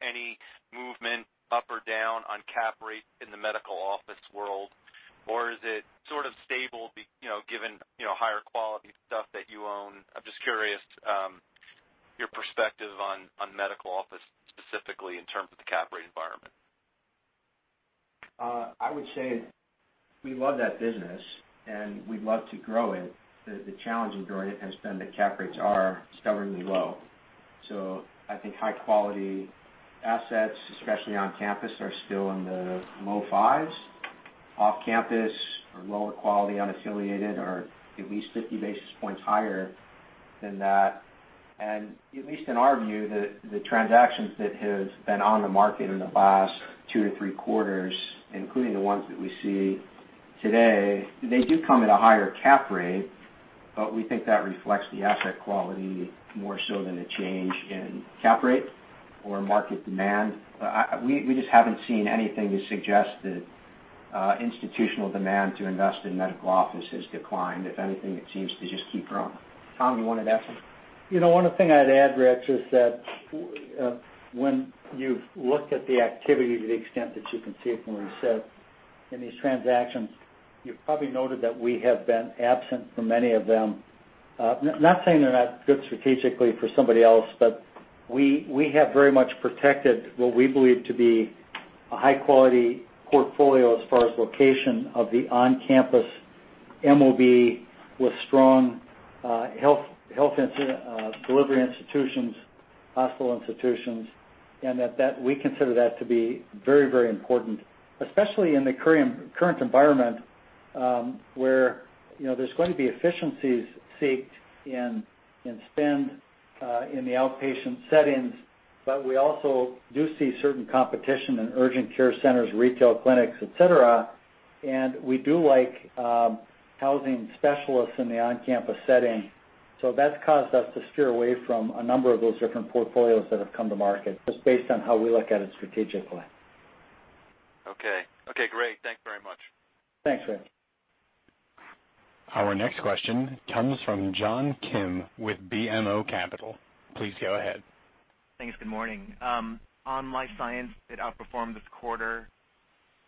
any movement up or down on cap rate in the medical office world? Is it sort of stable given higher quality stuff that you own? I'm just curious your perspective on medical office specifically in terms of the cap rate environment.
I would say we love that business, and we'd love to grow it. The challenge in growing it has been that cap rates are staggeringly low. I think high-quality assets, especially on campus, are still in the low fives. Off-campus or lower quality unaffiliated are at least 50 basis points higher than that. At least in our view, the transactions that have been on the market in the last two to three quarters, including the ones that we see today, they do come at a higher cap rate, but we think that reflects the asset quality more so than a change in cap rate or market demand. We just haven't seen anything to suggest that institutional demand to invest in medical office has declined. If anything, it seems to just keep growing. Tom, you wanted to add something?
One thing I'd add, Rich, is that when you've looked at the activity to the extent that you can see it from where you sit in these transactions, you've probably noted that we have been absent from many of them. Not saying they're not good strategically for somebody else, but we have very much protected what we believe to be a high-quality portfolio as far as location of the on-campus MOB with strong health delivery institutions, hospital institutions, and that we consider that to be very important, especially in the current environment, where there's going to be efficiencies sought in spend in the outpatient settings. We also do see certain competition in urgent care centers, retail clinics, et cetera, and we do like housing specialists in the on-campus setting.
That's caused us to steer away from a number of those different portfolios that have come to market, just based on how we look at it strategically.
Okay. Great. Thanks very much.
Thanks, Rich.
Our next question comes from John Kim with BMO Capital. Please go ahead.
Thanks. Good morning. On life science, it outperformed this quarter.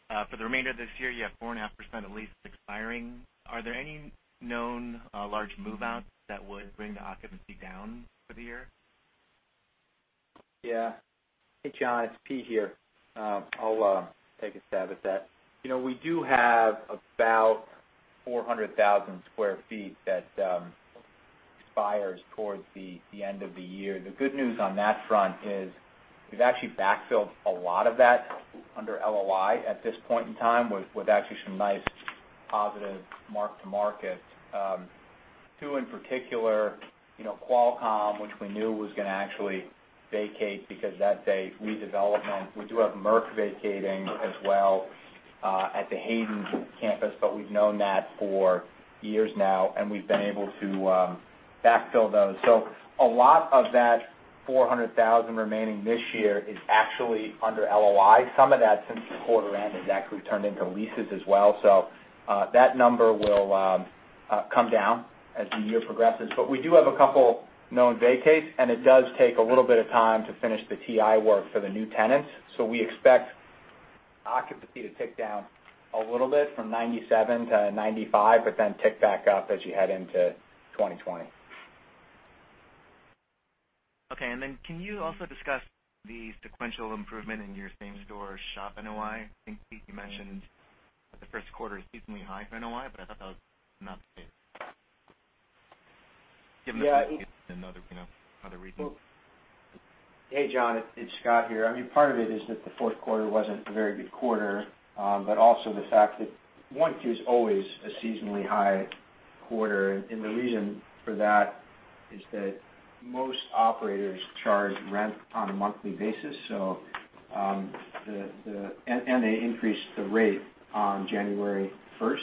For the remainder of this year, you have 4.5% of leases expiring. Are there any known large move-outs that would bring the occupancy down for the year?
Hey, John, it's Pete here. I'll take a stab at that. We do have about 400,000 sq ft that expires towards the end of the year. The good news on that front is we've actually backfilled a lot of that under LOI at this point in time, with actually some nice positive mark-to-market. Two in particular, Qualcomm, which we knew was going to actually vacate because that's a redevelopment. We do have Merck vacating as well, at the Hayden Campus, but we've known that for years now, and we've been able to backfill those. A lot of that 400,000 remaining this year is actually under LOI. Some of that, since the quarter end, has actually turned into leases as well. That number will come down as the year progresses. We do have a couple known vacates, and it does take a little bit of time to finish the TI work for the new tenants. We expect occupancy to tick down a little bit from 97%-95%, but then tick back up as you head into 2020.
Can you also discuss the sequential improvement in your same-store SHOP NOI? I think, Pete, you mentioned that the first quarter is seasonally high for NOI, but I thought that was not the case, given the fact that it's another region.
Hey, John, it's Scott here. Part of it is that the fourth quarter wasn't a very good quarter. Also the fact that one, Q's always a seasonally high quarter, and the reason for that is that most operators charge rent on a monthly basis. They increase the rate on January 1st.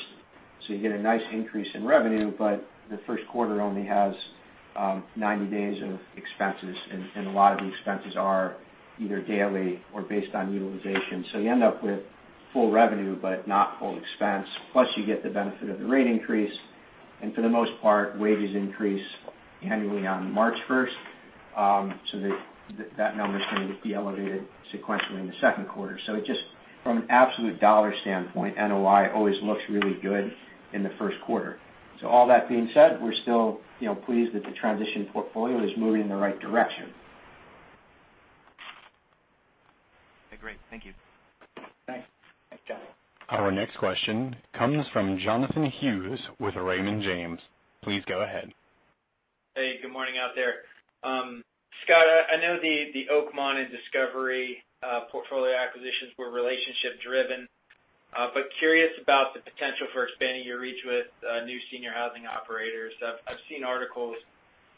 You get a nice increase in revenue, but the first quarter only has 90 days of expenses, and a lot of the expenses are either daily or based on utilization. You end up with full revenue, but not full expense. Plus, you get the benefit of the rate increase, and for the most part, wages increase annually on March 1st, so that number is going to be elevated sequentially in the second quarter. Just from an absolute dollar standpoint, NOI always looks really good in the first quarter. All that being said, we're still pleased that the transition portfolio is moving in the right direction.
Great. Thank you.
Thanks. Thanks, John.
Our next question comes from Jonathan Hughes with Raymond James. Please go ahead.
Hey, good morning out there. Scott Brinker, I know the Oakmont Senior Living and Discovery Senior Living portfolio acquisitions were relationship-driven, curious about the potential for expanding your reach with new senior housing operators. I've seen articles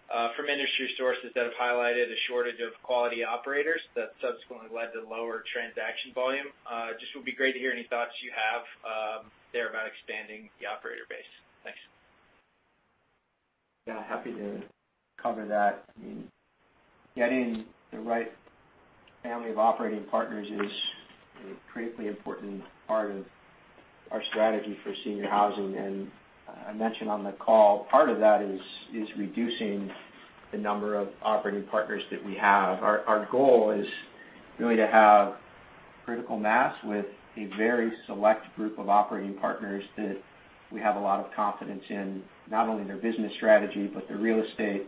from industry sources that have highlighted a shortage of quality operators that subsequently led to lower transaction volume. Would be great to hear any thoughts you have there about expanding the operator base. Thanks.
Yeah, happy to cover that. Getting the right family of operating partners is a critically important part of our strategy for senior housing, I mentioned on the call, part of that is reducing the number of operating partners that we have. Our goal is really to have critical mass with a very select group of operating partners that we have a lot of confidence in, not only their business strategy, but their real estate,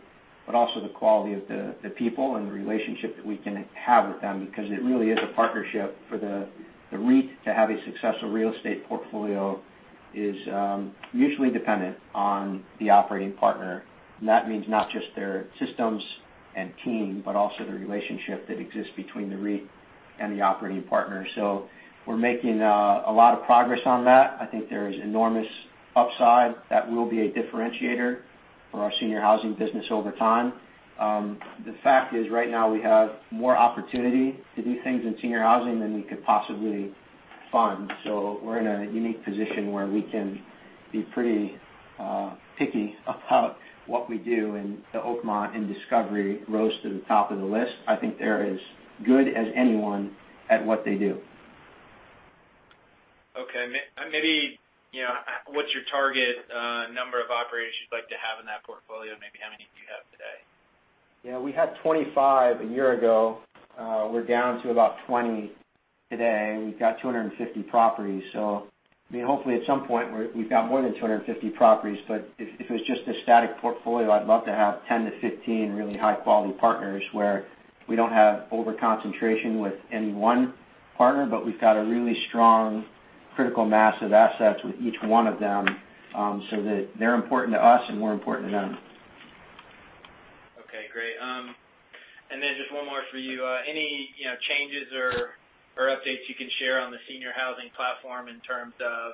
but also the quality of the people and the relationship that we can have with them, because it really is a partnership. For the REIT to have a successful real estate portfolio is mutually dependent on the operating partner. That means not just their systems and team, but also the relationship that exists between the REIT and the operating partner. We're making a lot of progress on that. I think there is enormous upside that will be a differentiator for our senior housing business over time. The fact is, right now, we have more opportunity to do things in senior housing than we could possibly fund. We're in a unique position where we can be pretty picky about what we do, the Oakmont Senior Living and Discovery Senior Living rose to the top of the list. I think they're as good as anyone at what they do.
Okay. Maybe what's your target number of operators you'd like to have in that portfolio, maybe how many do you have today?
Yeah, we had 25 a year ago. We're down to about 20 today. We've got 250 properties. Hopefully at some point, we've got more than 250 properties, but if it was just a static portfolio, I'd love to have 10-15 really high-quality partners, where we don't have over-concentration with any one partner, but we've got a really strong critical mass of assets with each one of them, so that they're important to us and we're important to them.
Okay, great. Just one more for you. Any changes or updates you can share on the senior housing platform in terms of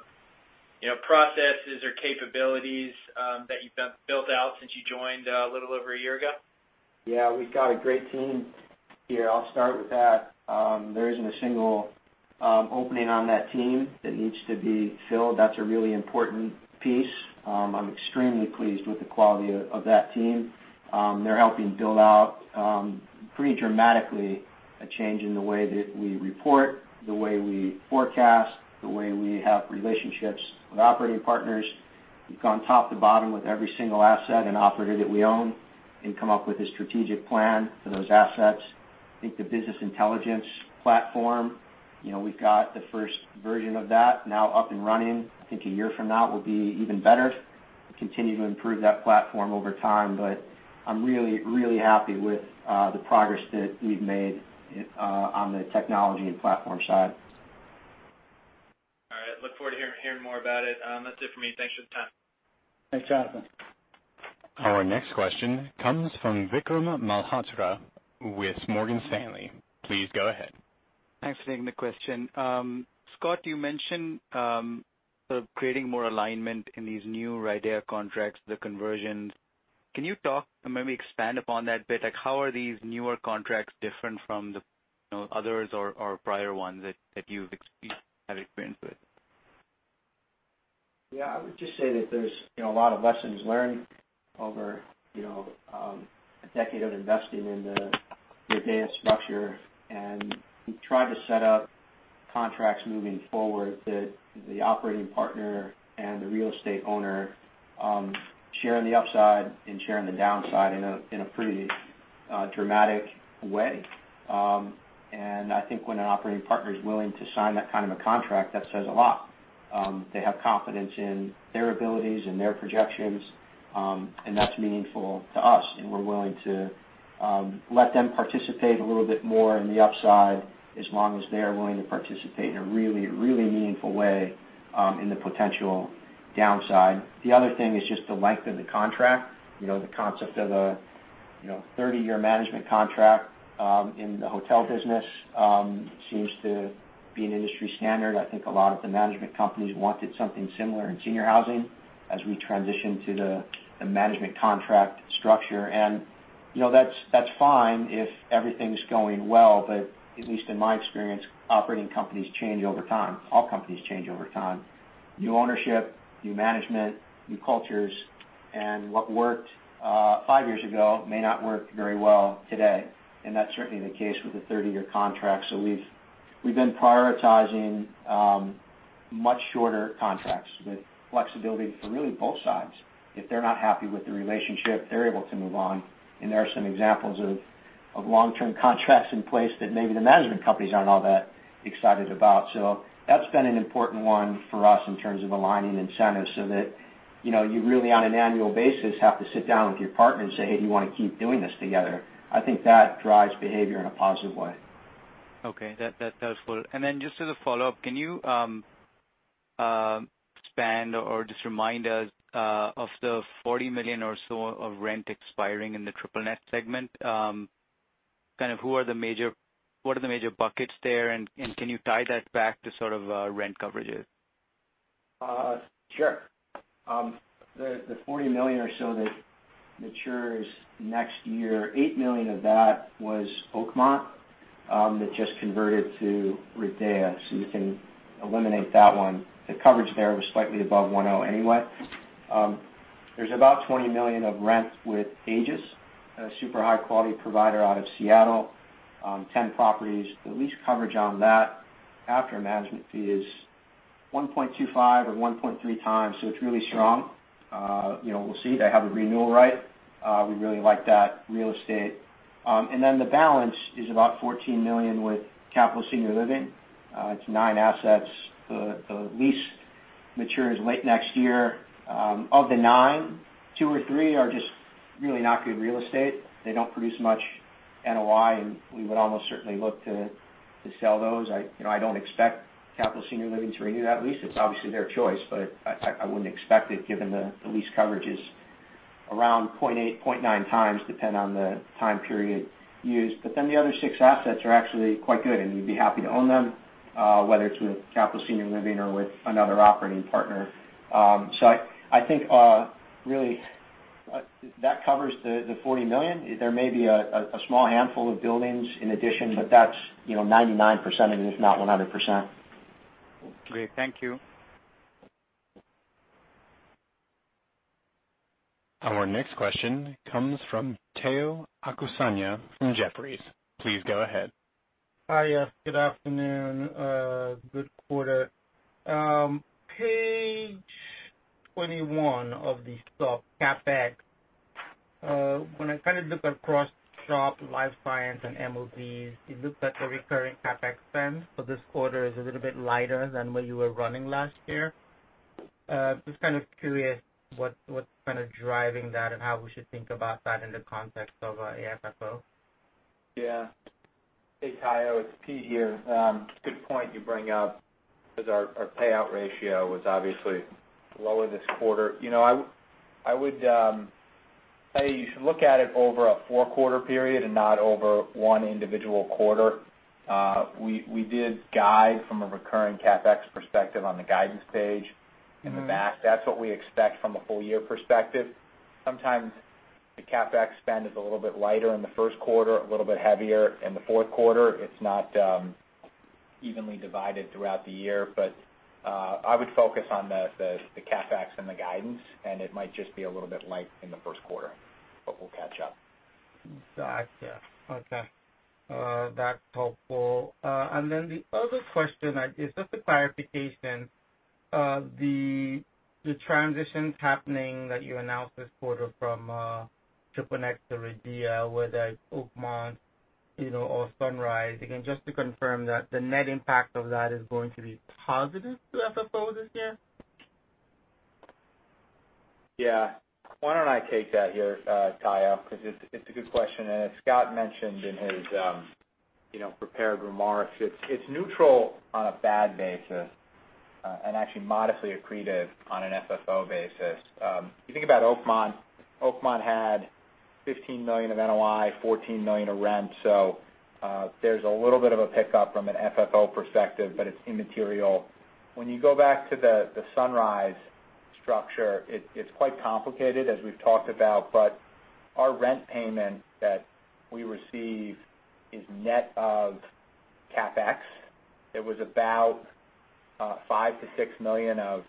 processes or capabilities that you've built out since you joined a little over a year ago?
Yeah, we've got a great team here, I'll start with that. There isn't a single opening on that team that needs to be filled. That's a really important piece. I'm extremely pleased with the quality of that team. They're helping build out pretty dramatically a change in the way that we report, the way we forecast, the way we have relationships with operating partners. We've gone top to bottom with every single asset and operator that we own and come up with a strategic plan for those assets. I think the business intelligence platform, we've got the first version of that now up and running. I think a year from now it will be even better, and continue to improve that platform over time. I'm really, really happy with the progress that we've made on the technology and platform side.
All right. Look forward to hearing more about it. That's it for me. Thanks for the time.
Thanks, Jonathan.
Our next question comes from Vikram Malhotra with Morgan Stanley. Please go ahead.
Thanks for taking the question. Scott, you mentioned creating more alignment in these new RIDEA contracts, the conversions. Can you talk, or maybe expand upon that a bit? How are these newer contracts different from the others or prior ones that you have experience with?
Yeah. I would just say that there's a lot of lessons learned over a decade of investing in the RIDEA structure. We've tried to set up contracts moving forward that the operating partner and the real estate owner share in the upside and share in the downside in a pretty dramatic way. I think when an operating partner's willing to sign that kind of a contract, that says a lot. They have confidence in their abilities and their projections, and that's meaningful to us, and we're willing to let them participate a little bit more in the upside, as long as they are willing to participate in a really, really meaningful way in the potential downside. The other thing is just the length of the contract. The concept of a 30-year management contract in the hotel business seems to be an industry standard. I think a lot of the management companies wanted something similar in senior housing as we transition to the management contract structure. That's fine if everything's going well, but at least in my experience, operating companies change over time. All companies change over time. New ownership, new management, new cultures. What worked five years ago may not work very well today, and that's certainly the case with the 30-year contract. We've been prioritizing much shorter contracts with flexibility for really both sides. If they're not happy with the relationship, they're able to move on, and there are some examples of long-term contracts in place that maybe the management companies aren't all that excited about. That's been an important one for us in terms of aligning incentives, so that you really, on an annual basis, have to sit down with your partner and say, "Hey, do you want to keep doing this together?" I think that drives behavior in a positive way.
Okay. That's helpful. Just as a follow-up, can you expand or just remind us of the $40 million or so of rent expiring in the triple net segment? What are the major buckets there, and can you tie that back to sort of rent coverages?
Sure. The $40 million or so that matures next year, $8 million of that was Oakmont, that just converted to RIDEA, so you can eliminate that one. The coverage there was slightly above one oh anyway. There's about $20 million of rent with Aegis, a super high-quality provider out of Seattle. 10 properties. The lease coverage on that after management fee is 1.25 or 1.3 times, so it's really strong. We'll see. They have a renewal right. We really like that real estate. The balance is about $14 million with Capital Senior Living. It's nine assets. The lease matures late next year. Of the nine, two or three are just really not good real estate. They don't produce much NOI, and we would almost certainly look to sell those. I don't expect Capital Senior Living to renew that lease. It's obviously their choice, I wouldn't expect it given the lease coverage is around 0.8, 0.9 times, depend on the time period used. The other six assets are actually quite good, and we'd be happy to own them, whether it's with Capital Senior Living or with another operating partner. I think really that covers the $40 million. There may be a small handful of buildings in addition, but that's 99% of it, if not 100%.
Great. Thank you.
Our next question comes from Tayo Okusanya from Jefferies. Please go ahead.
Hi. Good afternoon. Good quarter. Page 21 of the stock CapEx. I kind of look across SHOP life science and MOB, it looks like the recurring CapEx spend for this quarter is a little bit lighter than what you were running last year. Just kind of curious what's kind of driving that and how we should think about that in the context of AFFO.
Yeah. Hey, Tayo, it's Pete here. Good point you bring up, because our payout ratio was obviously lower this quarter. I would say you should look at it over a four-quarter period and not over one individual quarter. We did guide from a recurring CapEx perspective on the guidance page in the back. That's what we expect from a full-year perspective. Sometimes the CapEx spend is a little bit lighter in the first quarter, a little bit heavier in the fourth quarter. It's not evenly divided throughout the year. I would focus on the CapEx and the guidance, and it might just be a little bit light in the first quarter, but we'll catch up.
Got you. Okay. That's helpful. The other question is just a clarification. The transitions happening that you announced this quarter from triple net to RIDEA, whether it's Oakmont or Sunrise. Again, just to confirm that the net impact of that is going to be positive to FFO this year?
Yeah. Why don't I take that here, Tayo? Because it's a good question. As Scott mentioned in his prepared remarks, it's neutral on a FAD basis and actually modestly accretive on an FFO basis. If you think about Oakmont had $15 million of NOI, $14 million of rent. There's a little bit of a pickup from an FFO perspective, but it's immaterial. When you go back to the Sunrise structure, it's quite complicated, as we've talked about, but our rent payment that we receive is net of CapEx. It was about $5 million-$6 million of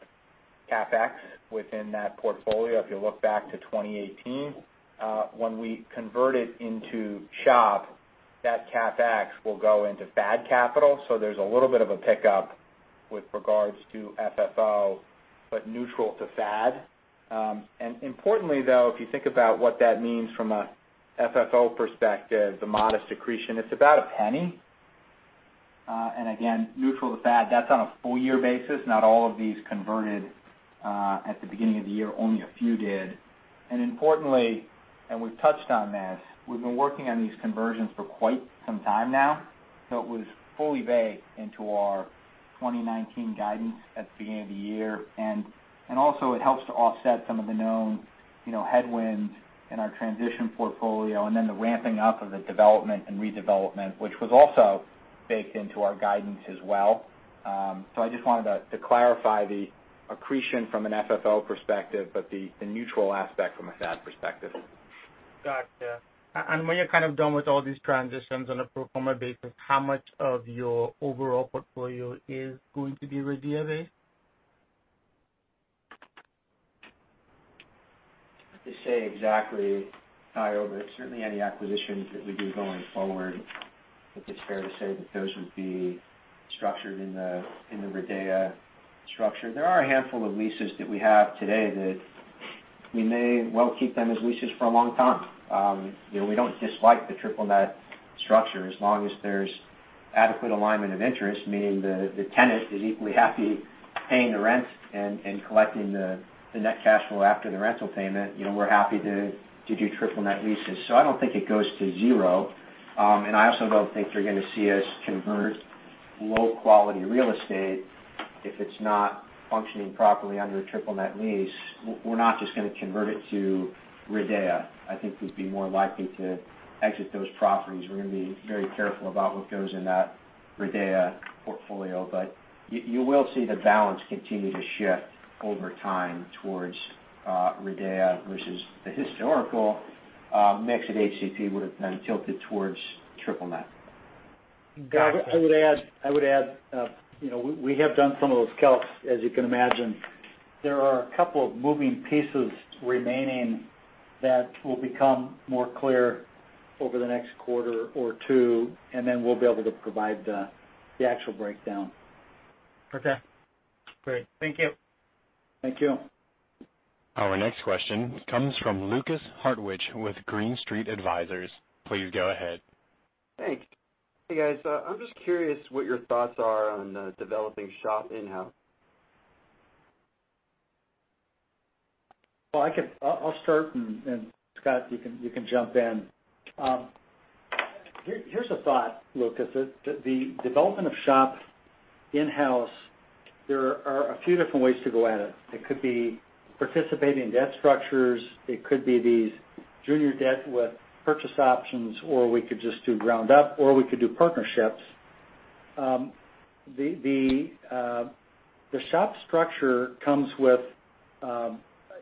CapEx within that portfolio, if you look back to 2018. When we convert it into SHOP, that CapEx will go into FAD capital. There's a little bit of a pickup with regards to FFO, but neutral to FAD. Importantly, though, if you think about what that means from an FFO perspective, the modest accretion, it's about $0.01. Again, neutral to FAD, that's on a full-year basis. Not all of these converted at the beginning of the year, only a few did. Importantly, and we've touched on this, we've been working on these conversions for quite some time now, so it was fully baked into our 2019 guidance at the beginning of the year. Also it helps to offset some of the known headwinds in our transition portfolio and then the ramping up of the development and redevelopment, which was also baked into our guidance as well. I just wanted to clarify the accretion from an FFO perspective, but the neutral aspect from a FAD perspective.
Got you. When you're kind of done with all these transitions on a pro forma basis, how much of your overall portfolio is going to be RIDEA-based?
It's hard to say exactly, Tayo, but certainly any acquisitions that we do going forward, I think it's fair to say that those would be structured in the RIDEA structure. There are a handful of leases that we have today that we may well keep them as leases for a long time. We don't dislike the triple-net structure as long as there's adequate alignment of interest, meaning the tenant is equally happy paying the rent and collecting the net cash flow after the rental payment. We're happy to do triple-net leases. I don't think it goes to zero. I also don't think you're going to see us convert low-quality real estate if it's not functioning properly under a triple-net lease. We're not just going to convert it to RIDEA. I think we'd be more likely to exit those properties. We're going to be very careful about what goes in that RIDEA portfolio. You will see the balance continue to shift over time towards RIDEA versus the historical mix at HCP would've been tilted towards triple-net.
Got you.
I would add, we have done some of those calcs, as you can imagine. There are a couple of moving pieces remaining that will become more clear over the next quarter or two, and then we'll be able to provide the actual breakdown.
Okay, great. Thank you.
Thank you.
Our next question comes from Lukas Hartwich with Green Street Advisors. Please go ahead.
Thanks. Hey, guys. I'm just curious what your thoughts are on developing SHOP in-house.
Well, I'll start, and Scott, you can jump in. Here's a thought, Lukas. The development of SHOP in-house, there are a few different ways to go at it. It could be participating in debt structures, it could be these junior debt with purchase options, or we could just do ground up, or we could do partnerships. The SHOP structure comes with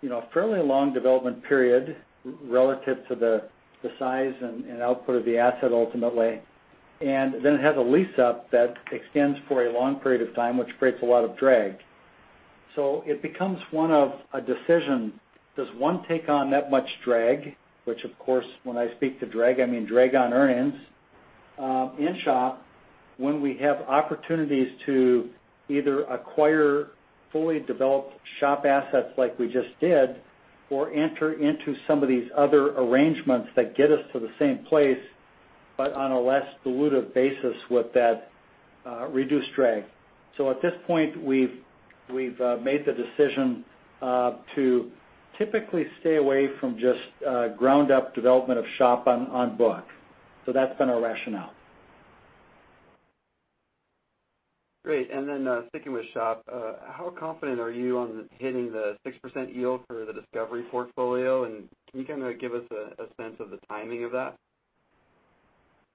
a fairly long development period relative to the size and output of the asset ultimately. It then has a lease-up that extends for a long period of time, which creates a lot of drag. It becomes one of a decision. Does one take on that much drag, which of course, when I speak to drag, I mean drag on earnings in SHOP when we have opportunities to either acquire fully developed SHOP assets like we just did, or enter into some of these other arrangements that get us to the same place, but on a less dilutive basis with that reduced drag. At this point, we've made the decision to typically stay away from just ground-up development of SHOP on book. That's been our rationale.
Great. Sticking with SHOP, how confident are you on hitting the 6% yield for the Discovery portfolio? Can you kind of give us a sense of the timing of that?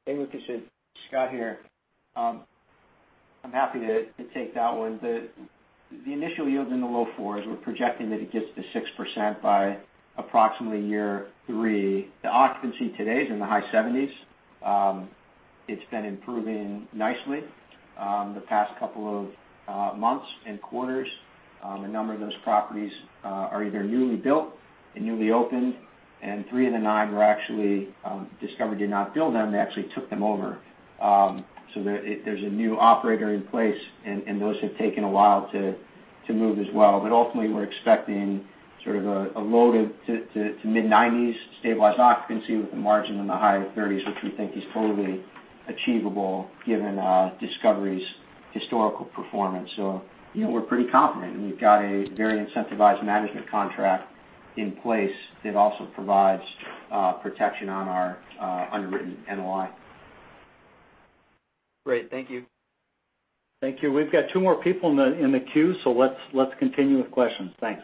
Hey, Lukas. Scott here. I am happy to take that one. The initial yield is in the low 4s. We are projecting that it gets to 6% by approximately year three. The occupancy today is in the high 70s. It has been improving nicely the past couple of months and quarters. A number of those properties are either newly built and newly opened, and three of the nine were actually, Discovery did not build them, they actually took them over. There is a new operator in place, and those have taken a while to move as well. Ultimately, we are expecting sort of a low to mid-90s stabilized occupancy with a margin in the high 30s, which we think is totally achievable given Discovery's historical performance. We are pretty confident, and we have got a very incentivized management contract in place that also provides protection on our underwritten NOI.
Great. Thank you.
Thank you. We have got two more people in the queue, let us continue with questions. Thanks.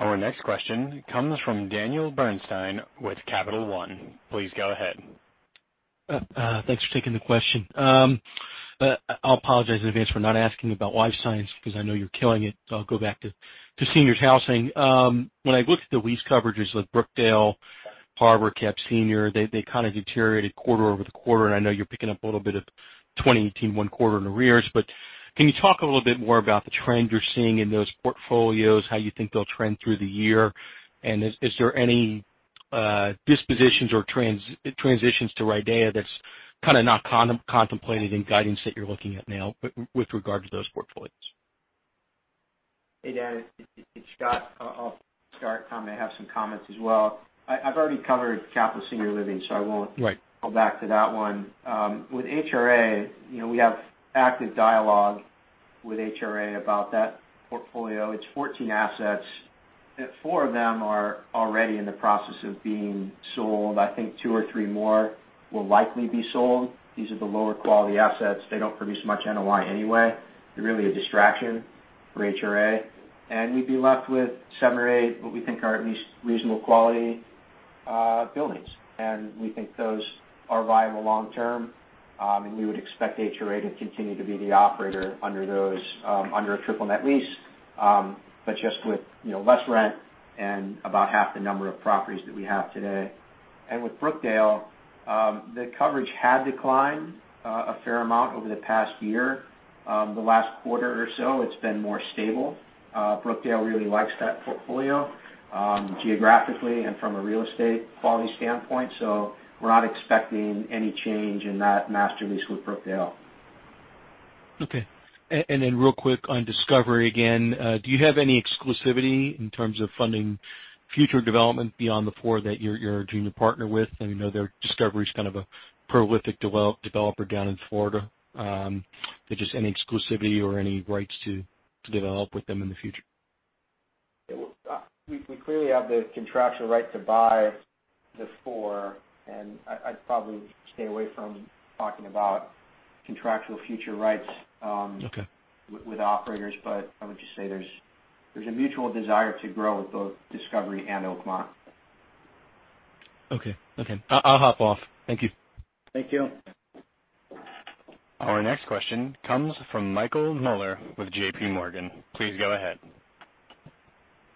Our next question comes from Daniel Bernstein with Capital One. Please go ahead.
Thanks for taking the question. I'll apologize in advance for not asking about life science, because I know you're killing it. I'll go back to seniors housing. When I look at the lease coverages with Brookdale, Capital Senior Living, they kind of deteriorated quarter-over-quarter. I know you're picking up a little bit of 2018, one quarter in arrears. Can you talk a little bit more about the trend you're seeing in those portfolios, how you think they'll trend through the year? Is there any dispositions or transitions to RIDEA that's kind of not contemplated in guidance that you're looking at now with regard to those portfolios?
Hey, Dan. It's Scott. I'll start. Tom may have some comments as well. I've already covered Capital Senior Living, I won't-
Right
...go back to that one. With HRA, we have active dialogue with HRA about that portfolio. It's 14 assets. Four of them are already in the process of being sold. I think two or three more will likely be sold. These are the lower-quality assets. They don't produce much NOI anyway. They're really a distraction for HRA. We'd be left with seven or eight what we think are at least reasonable quality buildings. We think those are viable long-term. We would expect HRA to continue to be the operator under a triple net lease. Just with less rent and about half the number of properties that we have today. With Brookdale, the coverage had declined a fair amount over the past year. The last quarter or so, it's been more stable. Brookdale really likes that portfolio geographically and from a real estate quality standpoint. We're not expecting any change in that master lease with Brookdale.
Okay. Real quick on Discovery again, do you have any exclusivity in terms of funding future development beyond the four that you're a junior partner with? I know Discovery's kind of a prolific developer down in Florida. Just any exclusivity or any rights to develop with them in the future?
We clearly have the contractual right to buy the four, and I'd probably stay away from talking about contractual future rights-
Okay
...with operators. I would just say there's a mutual desire to grow with both Discovery and Oakmont.
Okay. I'll hop off. Thank you.
Thank you.
Our next question comes from Michael Mueller with JPMorgan. Please go ahead.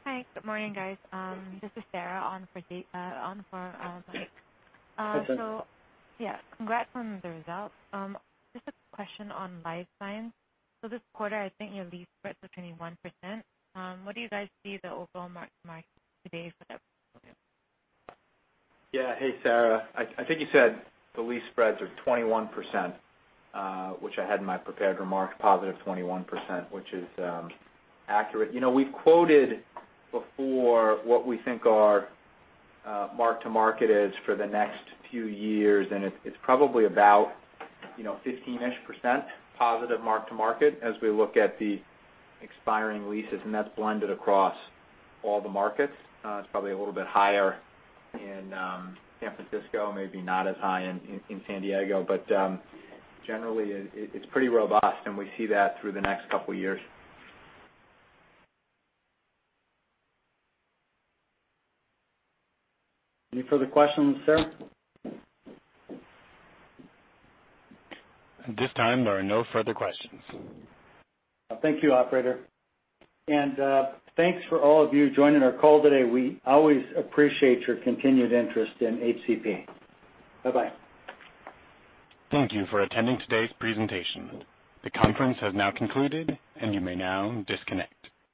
Hi. Good morning, guys. This is Sarah on for Mike.
Go ahead.
Yeah, congrats on the results. Just a question on life science. This quarter, I think your lease spreads are 21%. What do you guys see the overall mark-to-market today for that portfolio?
Yeah. Hey, Sarah. I think you said the lease spreads are 21%, which I had in my prepared remarks, positive 21%, which is accurate. We've quoted before what we think our mark-to-market is for the next few years, and it's probably about 15%-ish positive mark-to-market as we look at the expiring leases, and that's blended across all the markets. It's probably a little bit higher in San Francisco, maybe not as high in San Diego. Generally, it's pretty robust, and we see that through the next couple of years. Any further questions, Sarah?
At this time, there are no further questions.
Thank you, operator. Thanks for all of you joining our call today. We always appreciate your continued interest in HCP. Bye-bye.
Thank you for attending today's presentation. The conference has now concluded, and you may now disconnect.